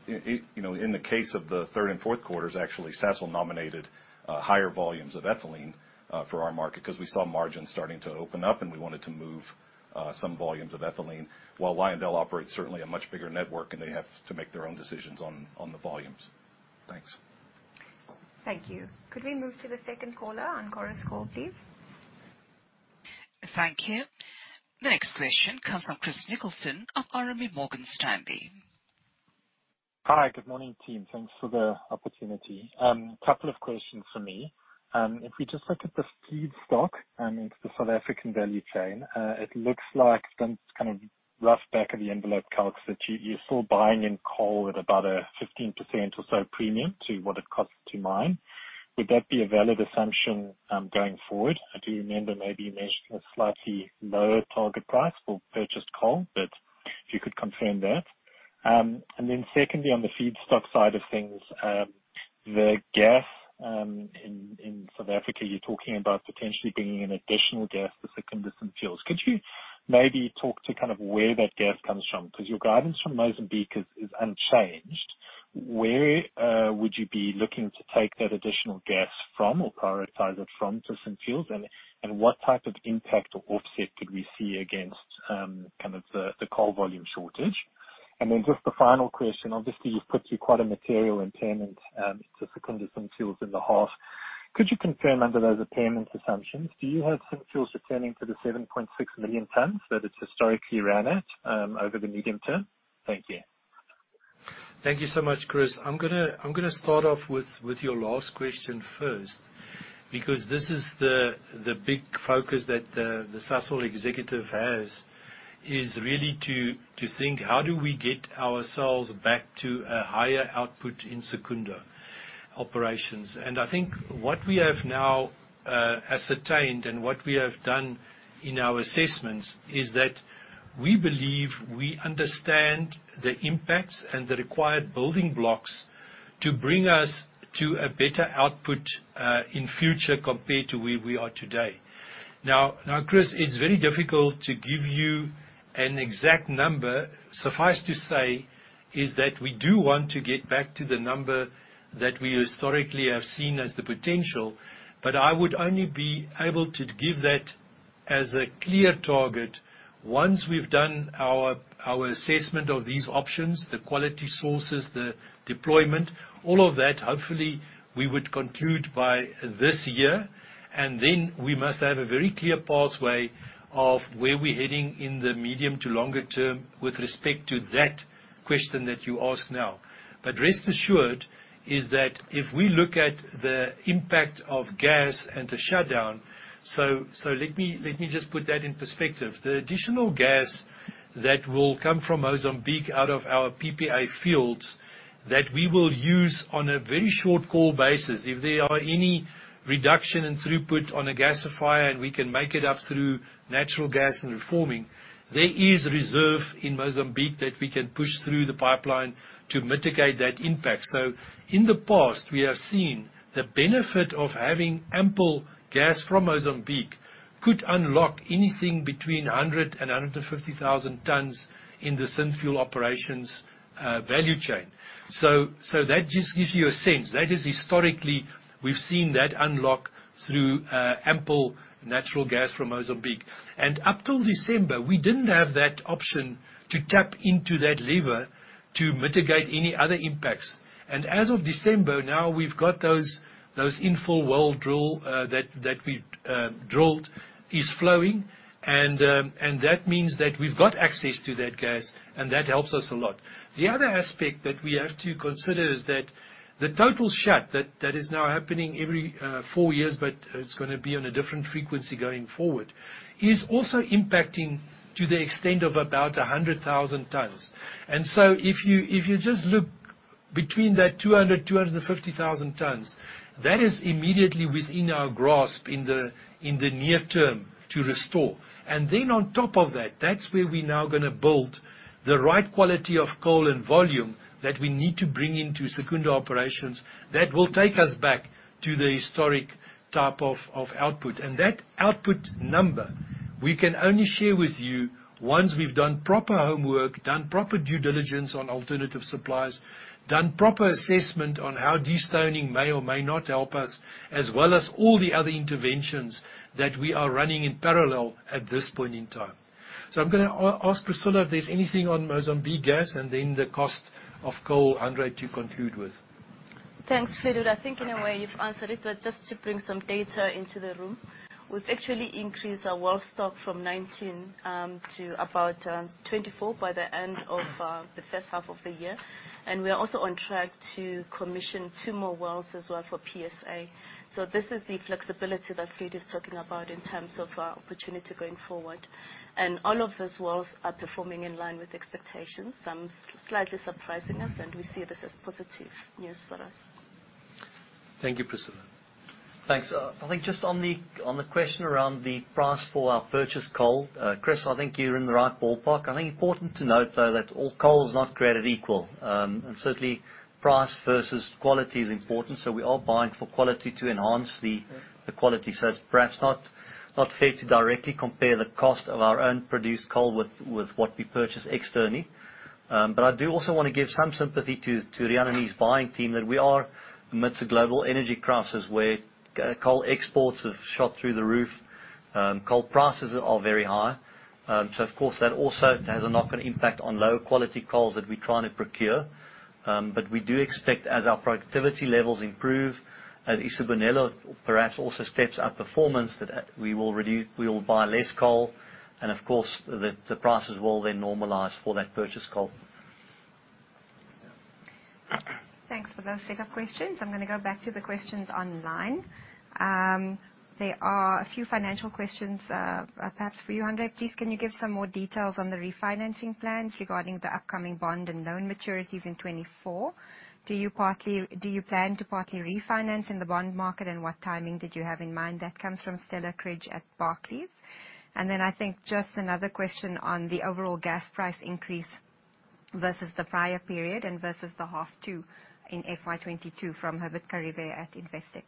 It... You know, in the case of the 3rd and 4th quarters, actually, Sasol nominated higher volumes of ethylene for our market 'cause we saw margins starting to open up, and we wanted to move some volumes of ethylene while Lyondell operates certainly a much bigger network, and they have to make their own decisions on the volumes. Thanks. Thank you. Could we move to the second caller on Chorus Call, please? Thank you. The next question comes from Christopher Nicholson of RMB Morgan Stanley. Hi. Good morning, team. Thanks for the opportunity. Couple of questions from me. If we just look at the feedstock into the South African value chain, it looks like some kind of rough back-of-the-envelope calc that you're still buying in coal at about a 15% or so premium to what it costs to mine. Would that be a valid assumption going forward? I do remember maybe you mentioned a slightly lower target price for purchased coal, if you could confirm that. Secondly, on the feedstock side of things, the gas in South Africa, you're talking about potentially bringing in additional gas to Secunda Synfuels. Could you maybe talk to kind of where that gas comes from? 'Cause your guidance from Mozambique is unchanged. Where would you be looking to take that additional gas from or prioritize it from to Synfuels, and what type of impact or offset could we see against kind of the coal volume shortage? Just a final question. Obviously you've put through quite a material impairment to Secunda Synfuels in the half. Could you confirm under those impairment assumptions, do you have Synfuels returning to the 7.6 million tons that it's historically ran at over the medium term? Thank you. Thank you so much, Chris. I'm gonna start off with your last question first because this is the big focus that the Sasol executive has, is really to think, "How do we get ourselves back to a higher output in Secunda operations?" I think what we have now ascertained and what we have done in our assessments is that we believe we understand the impacts and the required building blocks to bring us to a better output in future compared to where we are today. Now, Chris, it's very difficult to give you an exact number. Suffice to say is that we do want to get back to the number that we historically have seen as the potential, I would only be able to give that as a clear target once we've done our assessment of these options, the quality sources, the deployment, all of that. Hopefully, we would conclude by this year, and then we must have a very clear pathway of where we're heading in the medium to longer term with respect to that question that you ask now. Rest assured is that if we look at the impact of gas and the shutdown... Let me just put that in perspective. The additional gas that will come from Mozambique out of our PPA fields that we will use on a very short call basis, if there are any reduction in throughput on a gasifier, and we can make it up through natural gas and reforming, there is reserve in Mozambique that we can push through the pipeline to mitigate that impact. In the past, we have seen the benefit of having ample gas from Mozambique could unlock anything between 100 and 150,000 tons in the Synfuel operations value chain. That just gives you a sense. That is historically, we've seen that unlock through ample natural gas from Mozambique. Up till December, we didn't have that option to tap into that lever to mitigate any other impacts. As of December, now we've got those in full well drill that we drilled is flowing and that means that we've got access to that gas, and that helps us a lot. The other aspect that we have to consider is that the total shut that is now happening every 4 years, but it's gonna be on a different frequency going forward, is also impacting to the extent of about 100,000 tons. If you just look between that 200,000-250,000 tons, that is immediately within our grasp in the near term to restore. On top of that's where we're now gonna build the right quality of coal and volume that we need to bring into Secunda operations that will take us back to the historic type of output. That output number we can only share with you once we've done proper homework, done proper due diligence on alternative supplies, done proper assessment on how destoning may or may not help us, as well as all the other interventions that we are running in parallel at this point in time. I'm gonna ask Priscilla if there's anything on Mozambique gas and then the cost of coal, Hanré, to conclude with. Thanks, Fleetwood. I think in a way you've answered it, but just to bring some data into the room. We've actually increased our well stock from 19 to about 24 by the end of the first half of the year. We are also on track to commission two more wells as well for PSA. This is the flexibility that Fleetwood is talking about in terms of opportunity going forward. All of those wells are performing in line with expectations, some slightly surprising us, and we see this as positive news for us. Thank you, Priscilla. Thanks. I think just on the question around the price for our purchased coal, Chris, I think you're in the right ballpark. I think important to note, though, that all coal is not created equal. Certainly price versus quality is important, so we are buying for quality to enhance the quality. It's perhaps not fair to directly compare the cost of our own produced coal with what we purchase externally. I do also wanna give some sympathy to Riaan's buying team that we are amidst a global energy crisis where coal exports have shot through the roof, coal prices are very high. Of course, that also has a knock-on impact on lower-quality coals that we're trying to procure. We do expect, as our productivity levels improve, as Isibonelo perhaps also steps up performance, that we will buy less coal, and of course, the prices will then normalize for that purchased coal. Thanks for those set of questions. I'm going to go back to the questions online. There are a few financial questions, perhaps for you, Hanré. Please, can you give some more details on the refinancing plans regarding the upcoming bond and loan maturities in 2024? Do you plan to partly refinance in the bond market, and what timing did you have in mind? That comes from Alex Comer at Barclays. Then I think just another question on the overall gas price increase versus the prior period and versus the half 2 in FY 2022 from Herbert Kharivhe at Investec.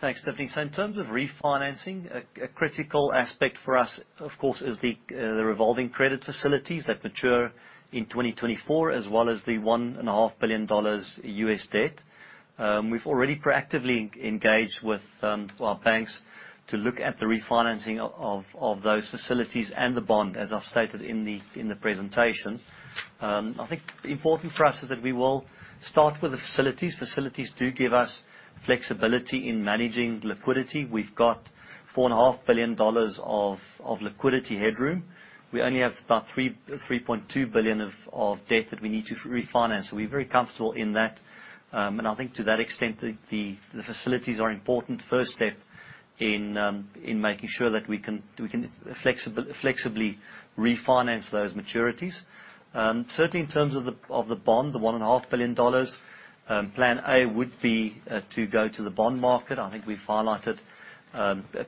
Thanks, Tiffany. In terms of refinancing, a critical aspect for us, of course, is the revolving credit facilities that mature in 2024, as well as the $1.5 billion US debt. We've already proactively engaged with our banks to look at the refinancing of those facilities and the bond, as I've stated in the presentation. I think important for us is that we will start with the facilities. Facilities do give us flexibility in managing liquidity. We've got $4.5 billion of liquidity headroom. We only have about $3.2 billion of debt that we need to refinance. We're very comfortable in that. I think to that extent, the facilities are an important first step in making sure that we can flexibly refinance those maturities. Certainly in terms of the bond, the $1.5 billion, plan A would be to go to the bond market. I think we've highlighted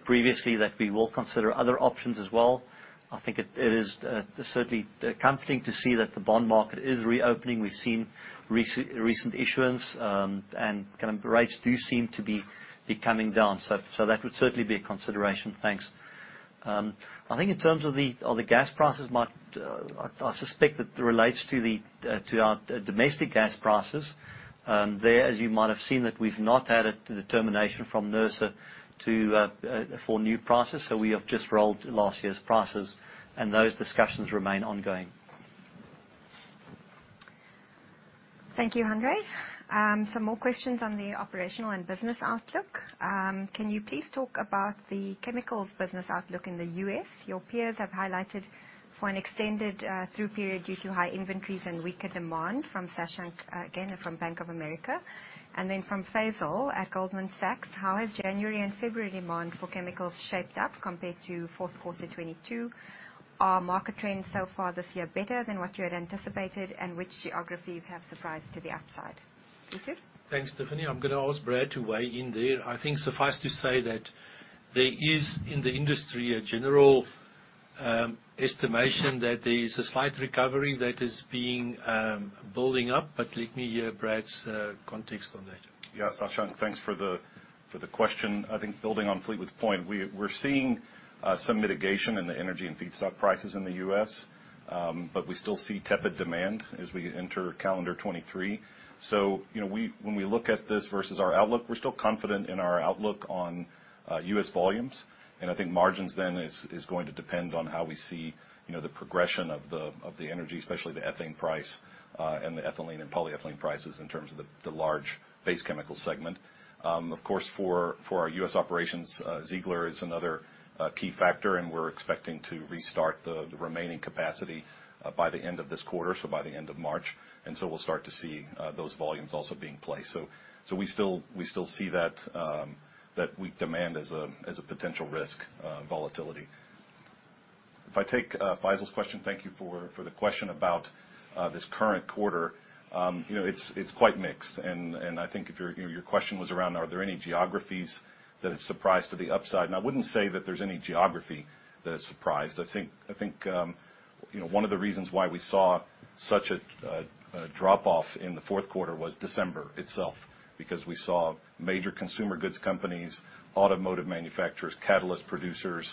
previously that we will consider other options as well. I think it is certainly comforting to see that the bond market is reopening. We've seen recent issuance, and kind of rates do seem to be coming down. That would certainly be a consideration. Thanks. I think in terms of the gas prices market, I suspect it relates to our domestic gas prices. There, as you might have seen that we've not had a determination from NERSA to for new prices, so we have just rolled last year's prices, and those discussions remain ongoing. Thank you, Hanré. Some more questions on the operational and business outlook. Can you please talk about the chemicals business outlook in the US? Your peers have highlighted for an extended through period due to high inventories and weaker demand from Sashank again, and from Bank of America. From Faisal at Goldman Sachs, how has January and February demand for chemicals shaped up compared to fourth quarter 2022? Are market trends so far this year better than what you had anticipated, and which geographies have surprised to the upside? Fleetwood? Thanks, Tiffany. I'm gonna ask Brad to weigh in there. I think suffice to say that there is, in the industry, a general estimation that there is a slight recovery that is being building up, but let me hear Brad's context on that. Yeah, Sashank, thanks for the question. I think building on Fleetwood's point, we're seeing some mitigation in the energy and feedstock prices in the US, we still see tepid demand as we enter calendar 2023. You know, when we look at this versus our outlook, we're still confident in our outlook on US volumes. I think margins then is going to depend on how we see, you know, the progression of the energy, especially the ethane price, and the ethylene and polyethylene prices in terms of the large base chemical segment. Of course, for our US operations, Ziegler is another key factor, we're expecting to restart the remaining capacity by the end of this quarter, so by the end of March. We'll start to see those volumes also being placed. We still see that weak demand as a potential risk, volatility. If I take Faisal's question, thank you for the question about this current quarter. You know, it's quite mixed. I think if your question was around are there any geographies that have surprised to the upside? I wouldn't say that there's any geography that has surprised. I think, you know, one of the reasons why we saw such a drop-off in the fourth quarter was December itself. We saw major consumer goods companies, automotive manufacturers, catalyst producers,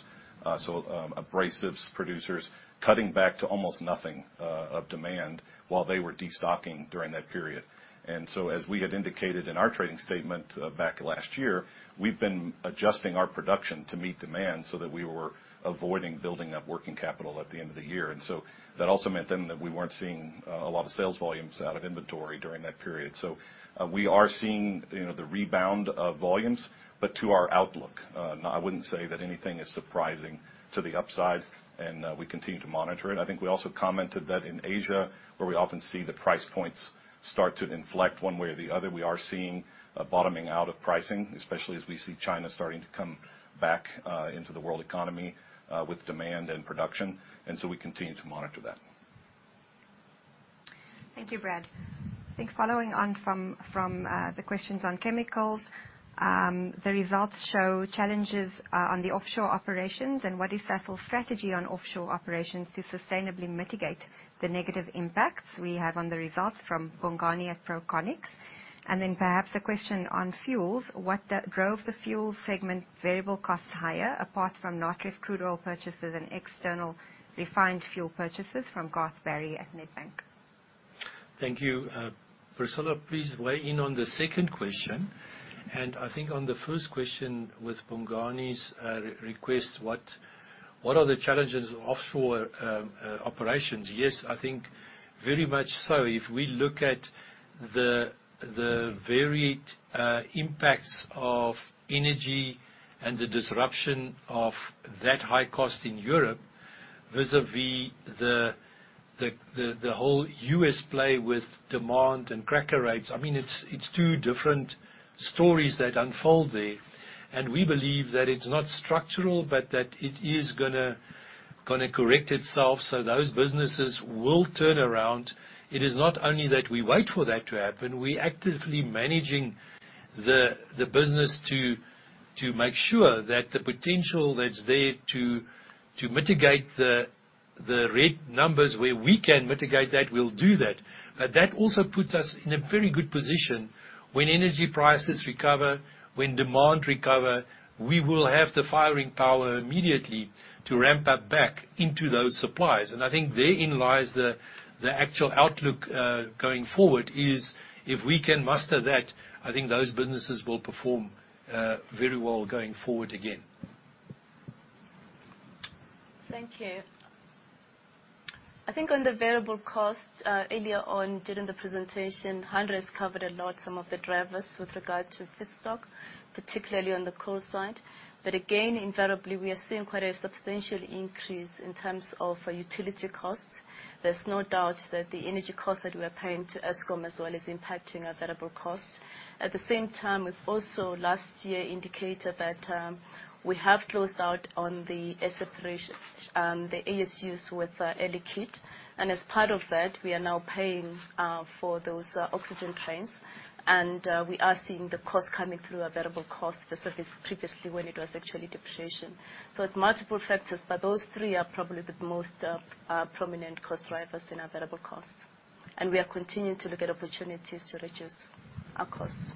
so abrasives producers, cutting back to almost nothing of demand while they were destocking during that period. As we had indicated in our trading statement, back last year, we've been adjusting our production to meet demand so that we were avoiding building up working capital at the end of the year. That also meant then that we weren't seeing a lot of sales volumes out of inventory during that period. We are seeing, you know, the rebound of volumes, but to our outlook. No, I wouldn't say that anything is surprising to the upside, and we continue to monitor it. I think we also commented that in Asia, where we often see the price points start to inflect one way or the other, we are seeing a bottoming out of pricing, especially as we see China starting to come back into the world economy with demand and production. We continue to monitor that. Thank you, Brad. I think following on from the questions on chemicals, the results show challenges on the offshore operations and what is Sasol's strategy on offshore operations to sustainably mitigate the negative impacts we have on the results from Bongani at Proconics? Then perhaps a question on fuels. What drove the fuel segment variable costs higher, apart from not ref crude oil purchases and external refined fuel purchases from Garth Barry at Nedbank? Thank you. Priscilla, please weigh in on the second question. I think on the first question with Bongani's re-request, what are the challenges offshore operations? Yes, I think very much so. If we look at the varied impacts of energy and the disruption of that high cost in Europe, vis-à-vis the whole US play with demand and cracker rates, I mean, it's two different stories that unfold there. We believe that it's not structural, but that it is gonna correct itself, so those businesses will turn around. It is not only that we wait for that to happen, we're actively managing the business to make sure that the potential that's there to mitigate the red numbers, where we can mitigate that, we'll do that. That also puts us in a very good position when energy prices recover, when demand recover, we will have the firing power immediately to ramp up back into those suppliers. I think therein lies the actual outlook going forward, is if we can master that, I think those businesses will perform very well going forward again. Thank you. I think on the variable costs, earlier on during the presentation, Hanré's covered a lot some of the drivers with regard to feedstock, particularly on the coal side. Again, invariably, we are seeing quite a substantial increase in terms of utility costs. There's no doubt that the energy costs that we're paying to Eskom as well is impacting our variable costs. At the same time, we've also last year indicated that we have closed out on the air separations, the ASUs with Air Liquide. As part of that, we are now paying for those oxygen trains. We are seeing the cost coming through our variable costs, versus previously when it was actually depreciation. It's multiple factors, but those three are probably the most prominent cost drivers in our variable cost. We are continuing to look at opportunities to reduce our costs.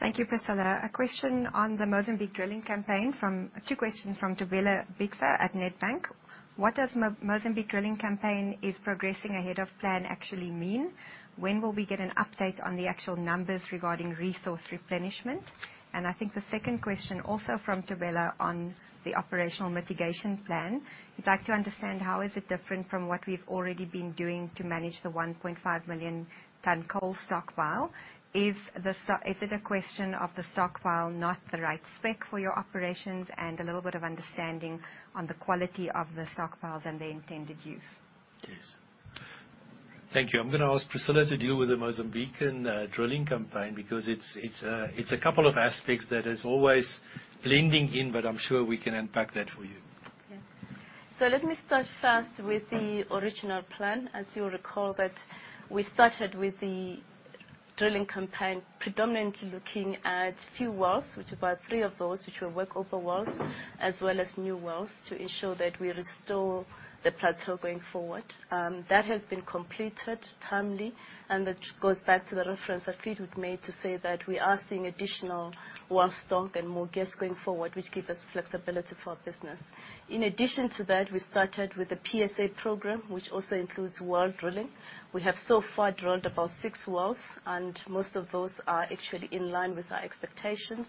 Thank you, Priscilla. A question on the Mozambique drilling campaign from... Two questions from Thobeka Bikha at Nedbank. What does Mozambique drilling campaign is progressing ahead of plan actually mean? When will we get an update on the actual numbers regarding resource replenishment? I think the second question also from Thobeka on the operational mitigation plan. We'd like to understand how is it different from what we've already been doing to manage the 1.5 million ton coal stockpile? Is it a question of the stockpile not the right spec for your operations? A little bit of understanding on the quality of the stockpiles and the intended use. Yes. Thank you. I'm gonna ask Priscilla to deal with the Mozambique drilling campaign because it's a couple of aspects that is always blending in, but I'm sure we can unpack that for you. Let me start first with the original plan. As you'll recall that we started with the drilling campaign predominantly looking at few wells, about 3 of those which were work over wells, as well as new wells, to ensure that we restore the plateau going forward. That has been completed timely, and that goes back to the reference that Fried had made to say that we are seeing additional well stock and more gas going forward, which give us flexibility for our business. In addition to that, we started with the PSA program, which also includes well drilling. We have so far drilled about 6 wells. Most of those are actually in line with our expectations.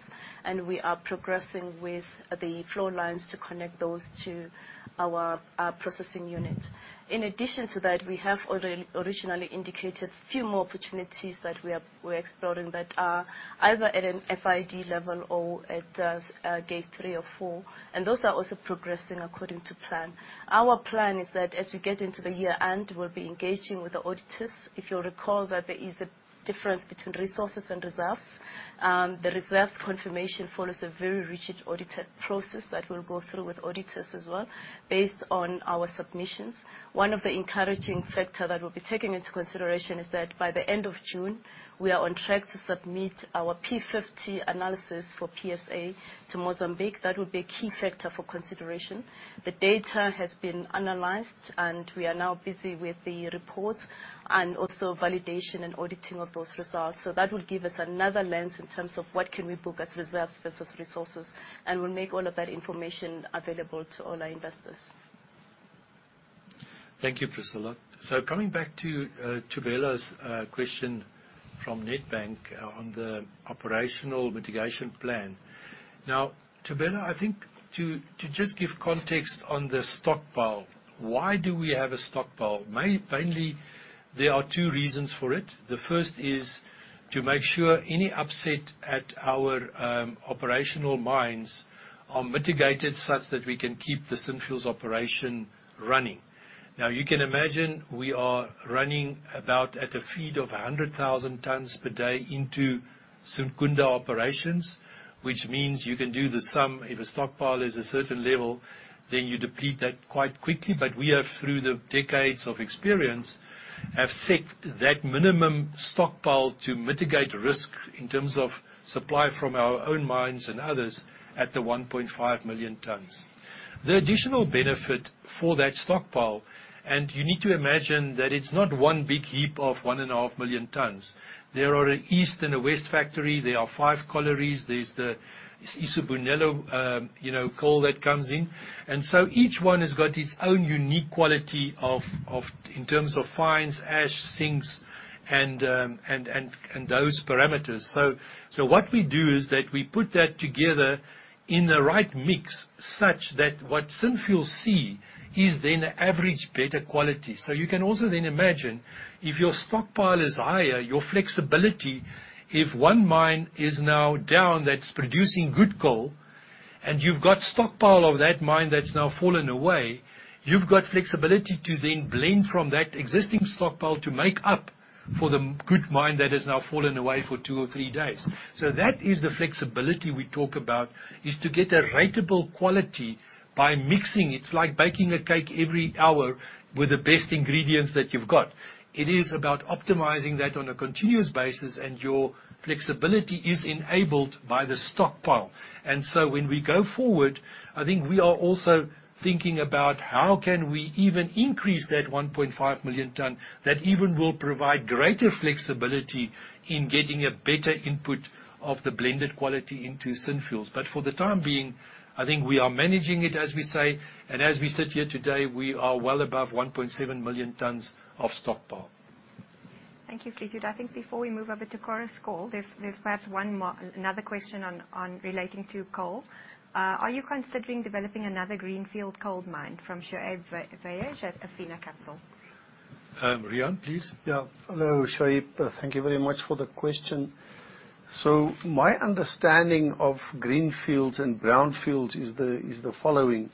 We are progressing with the flow lines to connect those to our processing unit. In addition to that, we have originally indicated few more opportunities that we're exploring but are either at an FID level or at gate 3 or 4. Those are also progressing according to plan. Our plan is that as we get into the year-end, we'll be engaging with the auditors. If you'll recall that there is a difference between resources and reserves. The reserves confirmation follows a very rigid audited process that we'll go through with auditors as well based on our submissions. One of the encouraging factor that we'll be taking into consideration is that by the end of June, we are on track to submit our P50 analysis for PSA to Mozambique. That would be a key factor for consideration. The data has been analyzed, and we are now busy with the report and also validation and auditing of those results. That will give us another lens in terms of what can we book as reserves versus resources, and we'll make all of that information available to all our investors. Thank you, Priscilla. Coming back to Thobeka's question from Nedbank on the operational mitigation plan. Thobeka, I think to just give context on the stockpile, why do we have a stockpile? Mainly, there are two reasons for it. The first is to make sure any upset at our operational mines are mitigated such that we can keep the Synfuels operation running. You can imagine we are running about at a feed of 100,000 tons per day into Secunda operations, which means you can do the sum. If a stockpile is a certain level, then you deplete that quite quickly. We have, through the decades of experience, have set that minimum stockpile to mitigate risk in terms of supply from our own mines and others at the 1.5 million tons. The additional benefit for that stockpile, and you need to imagine that it's not one big heap of 1.5 million tons. There are an east and a west factory. There are five collieries. There's the Isibonelo, you know, coal that comes in. Each one has got its own unique quality of in terms of fines, ash, sinks, and those parameters. What we do is that we put that together in the right mix such that what Synfuels see is then average better quality. You can also then imagine if your stockpile is higher, your flexibility, if one mine is now down that's producing good coal, and you've got stockpile of that mine that's now fallen away, you've got flexibility to then blend from that existing stockpile to make up for the good mine that has now fallen away for two or three days. That is the flexibility we talk about, is to get a ratable quality by mixing. It's like baking a cake every hour with the best ingredients that you've got. It is about optimizing that on a continuous basis, and your flexibility is enabled by the stockpile. When we go forward, I think we are also thinking about how can we even increase that 1.5 million ton, that even will provide greater flexibility in getting a better input of the blended quality into Synfuels. For the time being, I think we are managing it, as we say, and as we sit here today, we are well above 1.7 million tons of stockpile. Thank you, Fleetwood. I think before we move over to Chorus Call, there's perhaps another question on relating to coal. Are you considering developing another greenfield coal mine? From Shoaib Bayat at Athena Capital. Riaan, please. Yeah. Hello, Shoaib. Thank you very much for the question. My understanding of greenfields and brownfields is the following.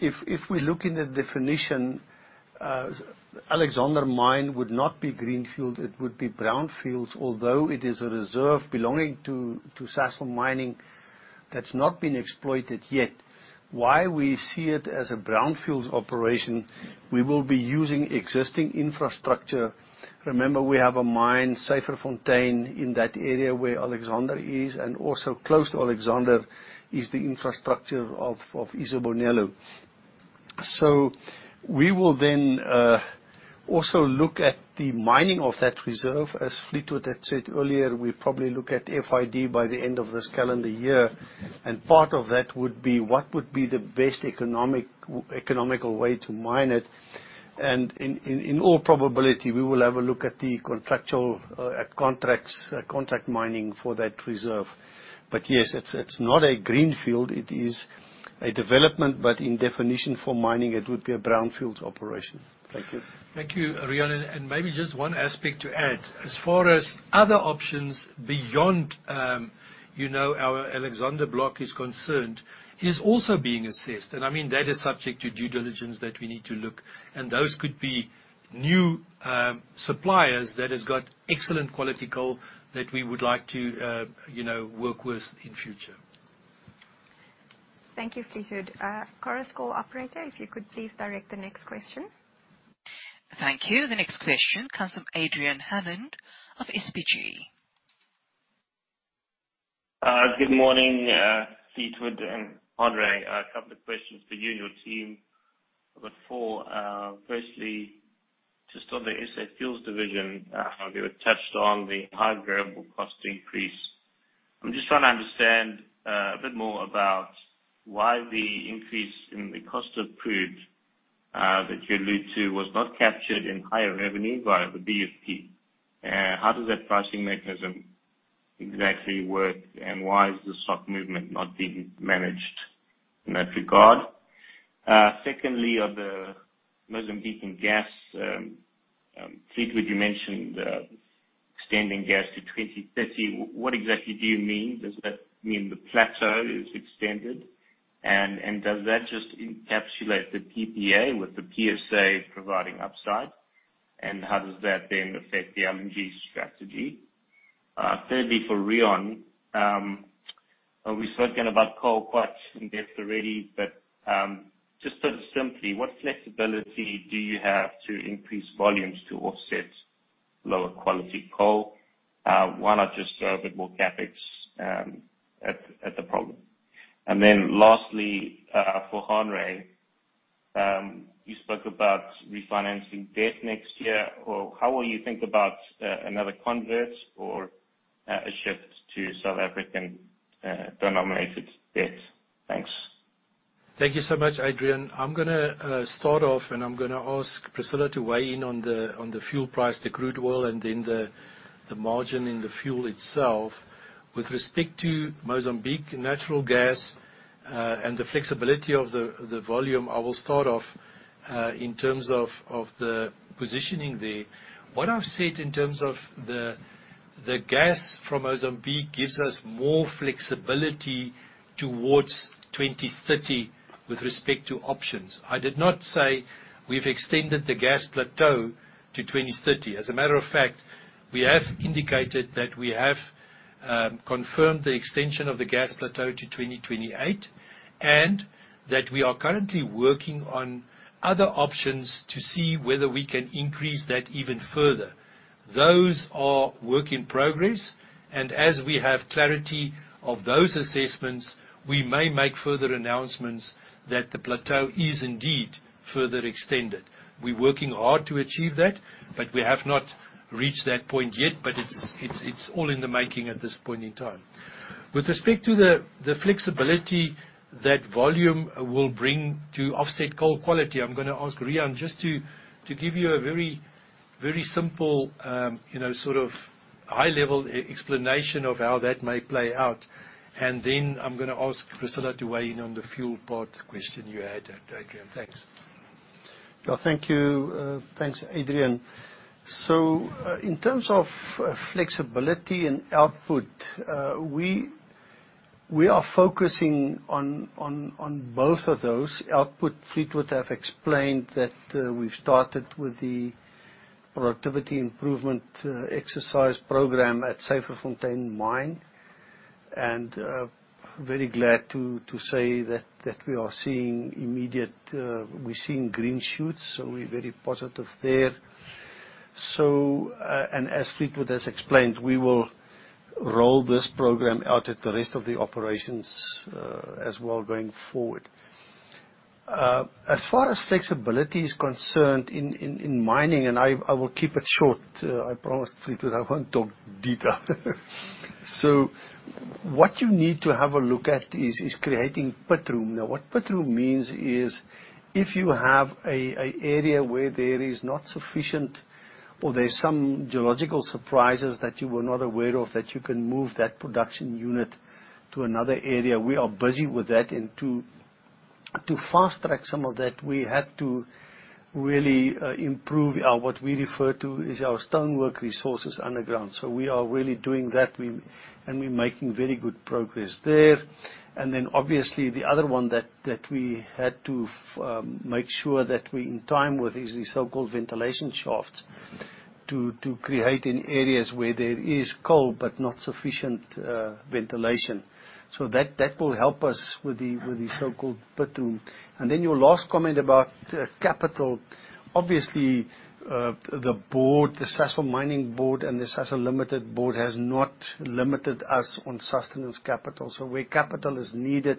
If we look in the definition, Alexander project would not be greenfield, it would be brownfields, although it is a reserve belonging to Sasol Mining that's not been exploited yet. Why we see it as a brownfields operation, we will be using existing infrastructure. Remember, we have a mine, Syferfontein, in that area where Alexander is, and also close to Alexander is the infrastructure of Isibonelo. We will then also look at the mining of that reserve. As Fleetwood had said earlier, we'll probably look at FID by the end of this calendar year, and part of that would be what would be the best economical way to mine it. In all probability, we will have a look at the contractual contract mining for that reserve. Yes, it's not a greenfield. It is a development, but in definition for mining, it would be a brownfields operation. Thank you. Thank you, Riaan. Maybe just one aspect to add. As far as other options beyond, you know, our Alexander Block is concerned, is also being assessed. I mean, that is subject to due diligence that we need to look. Those could be new suppliers that has got excellent quality coal that we would like to, you know, work with in future. Thank you, Fleetwood. Chorus Call operator, if you could please direct the next question. Thank you. The next question comes from Adrian Hammond of SBG. Good morning, Fleetwood and Hanré. A couple of questions for you and your team. I've got four. Firstly, just on the Sasol Fuels division, you touched on the high variable cost increase. I'm just trying to understand a bit more about why the increase in the cost of crude that you allude to was not captured in higher revenue via the BSP. How does that pricing mechanism? Exactly where and why is the stock movement not being managed in that regard? Secondly, on the Mozambican gas, Fleetwood, you mentioned extending gas to 2030. What exactly do you mean? Does that mean the plateau is extended? Does that just encapsulate the PPA with the PSA providing upside? How does that then affect the LMG strategy? Thirdly, for Riaan, we've spoken about coal quite in-depth already, but just sort of simply, what flexibility do you have to increase volumes to offset lower quality coal? Why not just throw a bit more CapEx at the problem? Lastly, for Henri, you spoke about refinancing debt next year. How will you think about another convert or a shift to South African-denominated debt? Thanks. Thank you so much, Adrian Hammond. I'm gonna start off, and I'm gonna ask Priscillah Mabelane to weigh in on the fuel price, the crude oil, and then the margin in the fuel itself. With respect to Mozambique natural gas, and the flexibility of the volume, I will start off in terms of the positioning there. What I've said in terms of the gas from Mozambique gives us more flexibility towards 2030 with respect to options. I did not say we've extended the gas plateau to 2030. As a matter of fact, we have indicated that we have confirmed the extension of the gas plateau to 2028, and that we are currently working on other options to see whether we can increase that even further. Those are work in progress. As we have clarity of those assessments, we may make further announcements that the plateau is indeed further extended. We're working hard to achieve that. We have not reached that point yet, but it's all in the making at this point in time. With respect to the flexibility that volume will bring to offset coal quality, I'm gonna ask Riaan just to give you a very, very simple, you know, sort of high-level explanation of how that may play out. Then I'm gonna ask Priscilla to weigh in on the fuel part question you had, Adrian. Thanks. Well, thank you. Thanks, Adrian. In terms of flexibility and output, we are focusing on both of those. Output, Fleetwood have explained that we've started with the productivity improvement exercise program at Syferfontein mine, and very glad to say that we are seeing immediate, we're seeing green shoots, so we're very positive there. As Fleetwood has explained, we will roll this program out at the rest of the operations as well going forward. As far as flexibility is concerned in mining, I will keep it short. I promise Fleetwood I won't talk deeper. What you need to have a look at is creating pit room. What pit room means is if you have an area where there is not sufficient or there's some geological surprises that you were not aware of, that you can move that production unit to another area. We are busy with that and to fast-track some of that, we had to really improve our what we refer to as our stonework resources underground. We are really doing that. We're making very good progress there. Obviously the other one that we had to make sure that we're in time with is the so-called ventilation shafts to create in areas where there is coal but not sufficient ventilation. That will help us with the so-called pit room. Your last comment about capital. Obviously, the board, the Sasol Mining board and the Sasol Limited board has not limited us on sustenance capital. Where capital is needed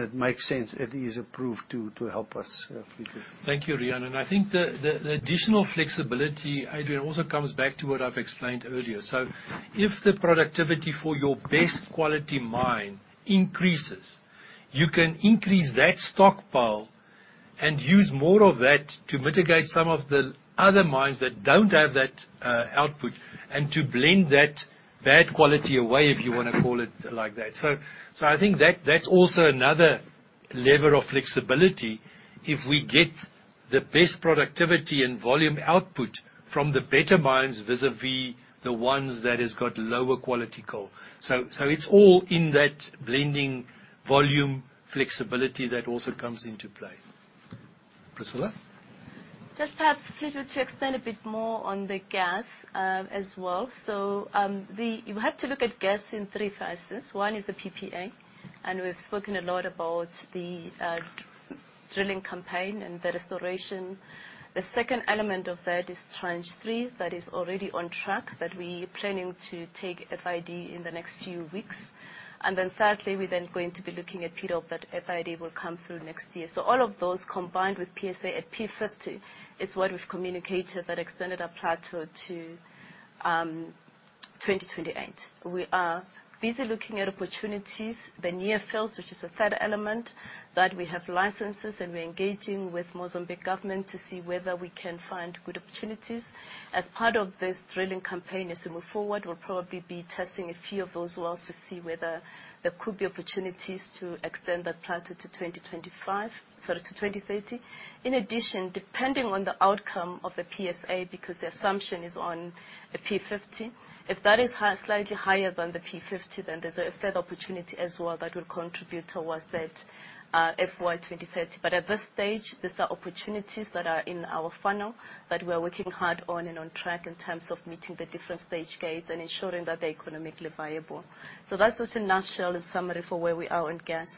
and it makes sense, it is approved to help us, Fleetwood. Thank you, Riaan. I think the additional flexibility, Adrian, also comes back to what I've explained earlier. If the productivity for your best quality mine increases, you can increase that stockpile and use more of that to mitigate some of the other mines that don't have that output, and to blend that bad quality away, if you wanna call it like that. So I think that's also another level of flexibility if we get the best productivity and volume output from the better mines vis-à-vis the ones that has got lower quality coal. So it's all in that blending volume flexibility that also comes into play. Priscilla? Just perhaps, Fleetwood, to explain a bit more on the gas, as well. You have to look at gas in three phases. One is the PPA, and we've spoken a lot about the drilling campaign and the restoration. The second element of that is tranche three. That is already on track, that we're planning to take FID in the next few weeks. Thirdly, we're then going to be looking at PDoP, that FID will come through next year. All of those combined with PSA at P50 is what we've communicated that extended our plateau to. 2028. We are busy looking at opportunities, the near fields, which is the third element that we have licenses, and we're engaging with Mozambique government to see whether we can find good opportunities. As part of this drilling campaign, as we move forward, we'll probably be testing a few of those wells to see whether there could be opportunities to extend that plateau to 2025, sorry, to 2030. In addition, depending on the outcome of the PSA, because the assumption is on a P50, if that is slightly higher than the P50, then there's a third opportunity as well that will contribute towards that FY 2030. At this stage, these are opportunities that are in our funnel that we're working hard on and on track in terms of meeting the different stage gates and ensuring that they're economically viable. That's just a nutshell, in summary for where we are on gas.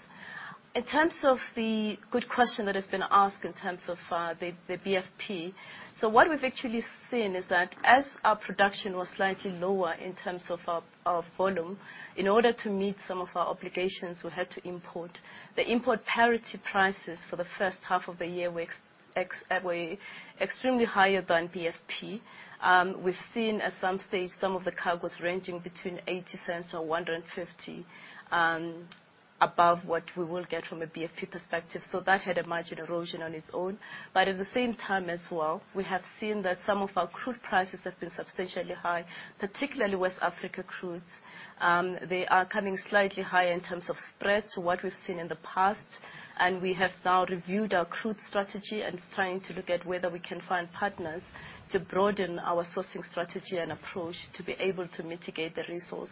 In terms of the good question that has been asked in terms of the BFP. What we've actually seen is that as our production was slightly lower in terms of our volume, in order to meet some of our obligations, we had to import. The import parity prices for the first half of the year were extremely higher than BFP. We've seen at some stage some of the cargos ranging between 0.80 and 1.50 above what we will get from a BFP perspective. That had a margin erosion on its own. At the same time as well, we have seen that some of our crude prices have been substantially high, particularly West Africa crudes. They are coming slightly higher in terms of spread to what we've seen in the past. We have now reviewed our crude strategy and is trying to look at whether we can find partners to broaden our sourcing strategy and approach to be able to mitigate the resource.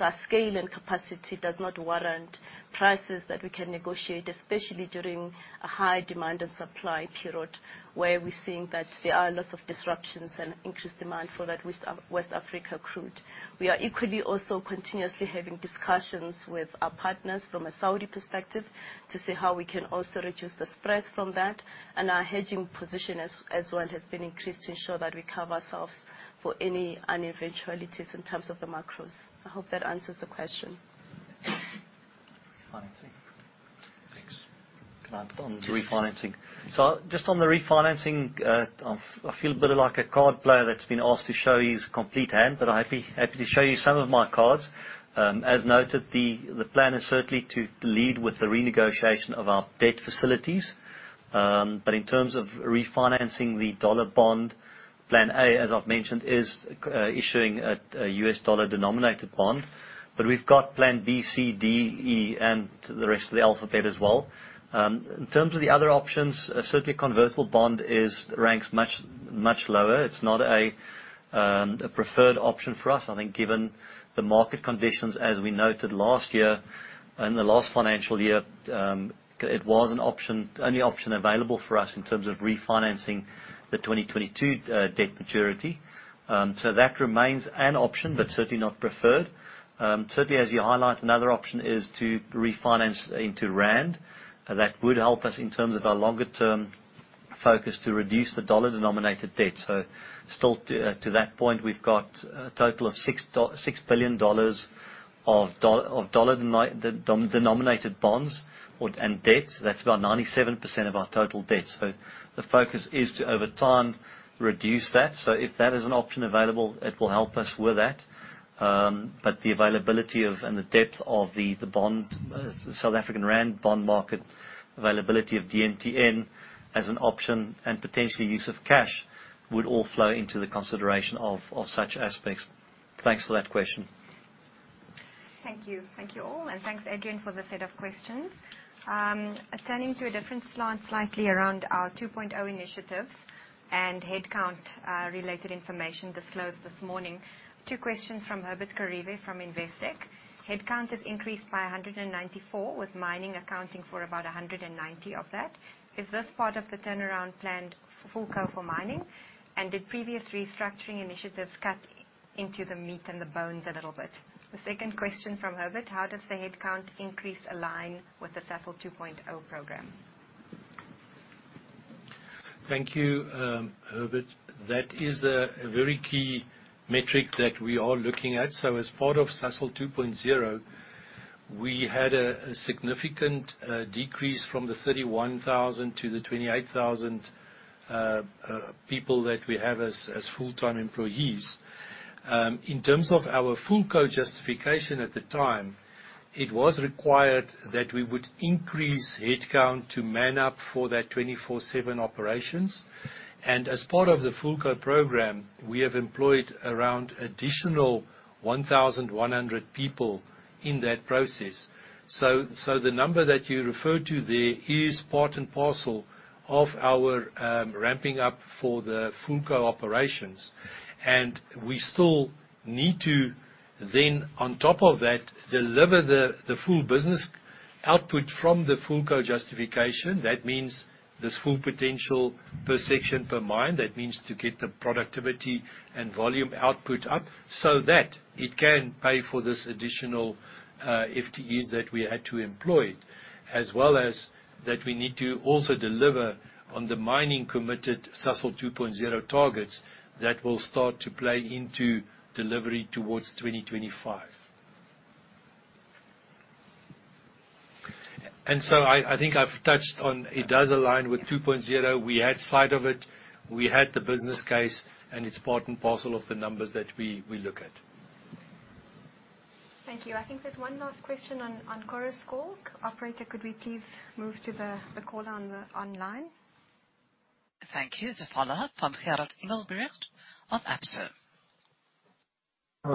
Our scale and capacity does not warrant prices that we can negotiate, especially during a high demand and supply period, where we're seeing that there are a lot of disruptions and increased demand for that West Africa crude. We are equally also continuously having discussions with our partners from a Saudi perspective to see how we can also reduce the spreads from that. Our hedging position as well has been increased to ensure that we cover ourselves for any uneventualities in terms of the macros. I hope that answers the question. Financing. Thanks. Can I jump on-? Refinancing. Just on the refinancing, I feel a bit like a card player that's been asked to show his complete hand, but I'm happy to show you some of my cards. As noted, the plan is certainly to lead with the renegotiation of our debt facilities. In terms of refinancing the dollar bond, plan A, as I've mentioned, is issuing a US dollar-denominated bond. We've got plan B, C, D, E, and the rest of the alphabet as well. In terms of the other options, certainly convertible bond ranks much lower. It's not a preferred option for us. I think, given the market conditions, as we noted last year, in the last financial year, it was only option available for us in terms of refinancing the 2022 debt maturity. That remains an option, but certainly not preferred. Certainly as you highlight, another option is to refinance into rand. That would help us in terms of our longer term focus to reduce the dollar-denominated debt. Still to that point, we've got a total of $6 billion of dollar denominated bonds or and debt. That's about 97% of our total debt. The focus is to, over time, reduce that. The availability of and the depth of the South African rand bond market, availability of DMTN as an option and potentially use of cash would all flow into the consideration of such aspects. Thanks for that question. Thank you. Thank you all, and thanks, Adrian, for the set of questions. Turning to a different slant slightly around our Sasol 2.0 initiatives and headcount related information disclosed this morning. Two questions from Herbert Kharivhe from Investec. Headcount has increased by 194, with mining accounting for about 190 of that. Is this part of the turnaround planned Fulco for mining? Did previous restructuring initiatives cut into the meat and the bones a little bit? The second question from Herbert: How does the headcount increase align with the Sasol 2.0 program? Thank you, Herbert. That is a very key metric that we are looking at. As part of Sasol 2.0, we had a significant decrease from the 31,000 to the 28,000 people that we have as full-time employees. In terms of our Fulco justification at the time, it was required that we would increase headcount to man up for that 24/7 operations. As part of the Fulco program, we have employed around additional 1,100 people in that process. The number that you referred to there is part and parcel of our ramping up for the Fulco operations. We still need to then, on top of that, deliver the full business output from the Fulco justification. That means this full potential per section, per mine. That means to get the productivity and volume output up so that it can pay for this additional FTEs that we had to employ, as well as that we need to also deliver on the mining committed Sasol 2.0 targets that will start to play into delivery towards 2025. I think I've touched on it does align with Sasol 2.0. We had sight of it. We had the business case, it's part and parcel of the numbers that we look at. Thank you. I think there's one last question on Chorus Call. Operator, could we please move to the caller online? Thank you. The follow-up from Gerald Engelbrecht of Bernstein.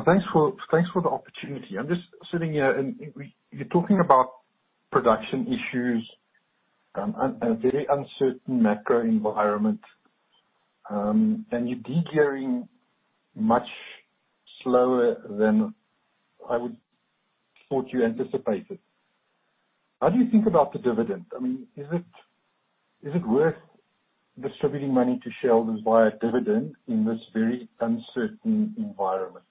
Thanks for the opportunity. I'm just sitting here and you're talking about production issues, and a very uncertain macro environment. You're de-gearing much slower than I would thought you anticipated. How do you think about the dividend? I mean, is it worth distributing money to shareholders via dividend in this very uncertain environment?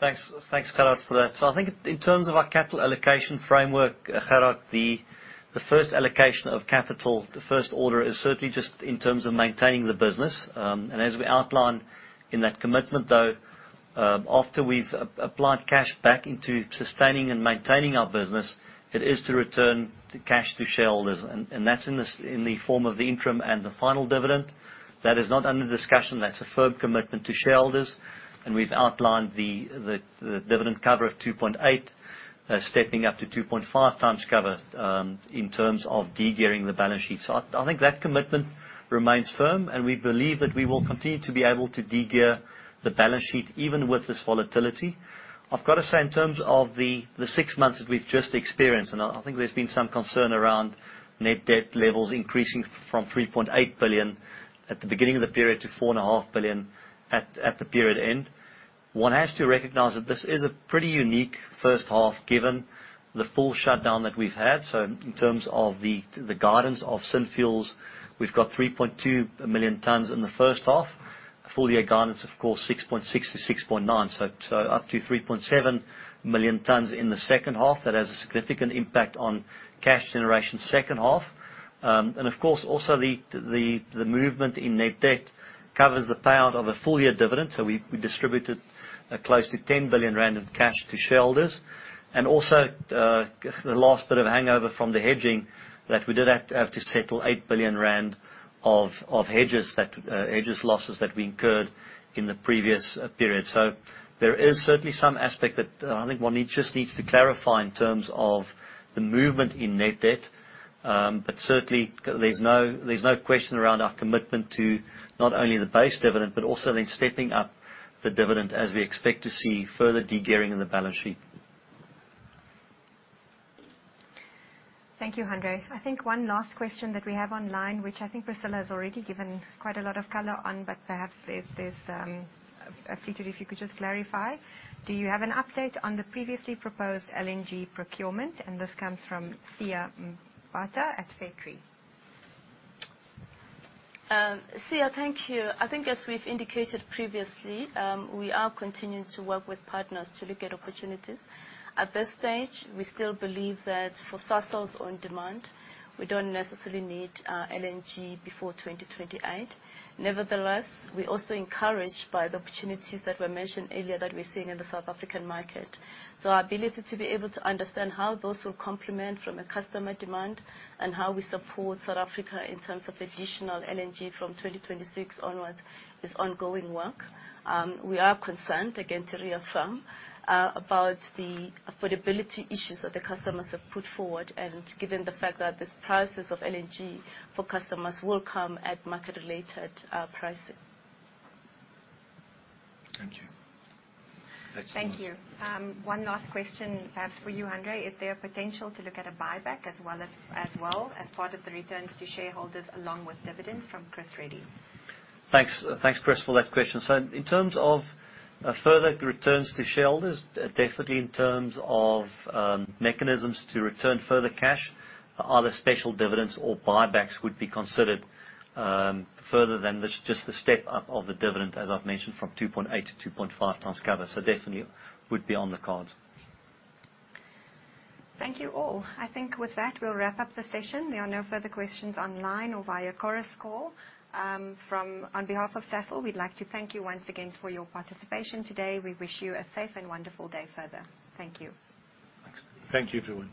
Thanks, Gerald, for that. I think in terms of our capital allocation framework, Gerald, the first allocation of capital, the first order is certainly just in terms of maintaining the business. As we outlined in that commitment, though, after we've applied cash back into sustaining and maintaining our business, it is to return the cash to shareholders. That's in the form of the interim and the final dividend. That is not under discussion. That's a firm commitment to shareholders. We've outlined the dividend cover of 2.8, stepping up to 2.5 times cover, in terms of de-gearing the balance sheet. I think that commitment remains firm, and we believe that we will continue to be able to de-gear the balance sheet even with this volatility. I've gotta say, in terms of the six months that we've just experienced, I think there's been some concern around net debt levels increasing from $3.8 billion at the beginning of the period to $4.5 billion at the period end. One has to recognize that this is a pretty unique first half, given the full shutdown that we've had. In terms of the guidance of Synfuels, we've got 3.2 million tons in the first half. Full year guidance, of course, 6.6 million-6.9 million tons, up to 3.7 million tons in the second half. That has a significant impact on cash generation second half. Of course, also the movement in net debt covers the payout of a full year dividend, so we distributed close to 10 billion rand in cash to shareholders. Also, the last bit of hangover from the hedging, that we did have to settle 8 billion rand of hedges losses that we incurred in the previous period. There is certainly some aspect that I think one just needs to clarify in terms of the movement in net debt. Certainly there's no question around our commitment to not only the base dividend but also in stepping up the dividend as we expect to see further de-gearing in the balance sheet. Thank you, Hanré. I think one last question that we have online, which I think Priscilla has already given quite a lot of color on, but perhaps there's if you could just clarify. Do you have an update on the previously proposed LNG procurement? This comes from Siya Mbatha at Fairtree. CEO, thank you. I think as we've indicated previously, we are continuing to work with partners to look at opportunities. At this stage, we still believe that for Sasol's own demand, we don't necessarily need LNG before 2028. We're also encouraged by the opportunities that were mentioned earlier that we're seeing in the South African market. Our ability to be able to understand how those will complement from a customer demand and how we support South Africa in terms of additional LNG from 2026 onwards is ongoing work. We are concerned, again, to reaffirm about the affordability issues that the customers have put forward and given the fact that this prices of LNG for customers will come at market-related pricing. Thank you. Thank you. One last question perhaps for you, Hanré. Is there potential to look at a buyback as well as part of the returns to shareholders along with dividends from Chris Reddy? Thanks, Chris, for that question. In terms of further returns to shareholders, definitely in terms of mechanisms to return further cash, other special dividends or buybacks would be considered, further than this, just the step up of the dividend, as I've mentioned, from 2.8 to 2.5 times cover. Definitely would be on the cards. Thank you all. I think with that, we'll wrap up the session. There are no further questions online or via Chorus Call. On behalf of Sasol, we'd like to thank you once again for your participation today. We wish you a safe and wonderful day further. Thank you. Thanks. Thank you, everyone.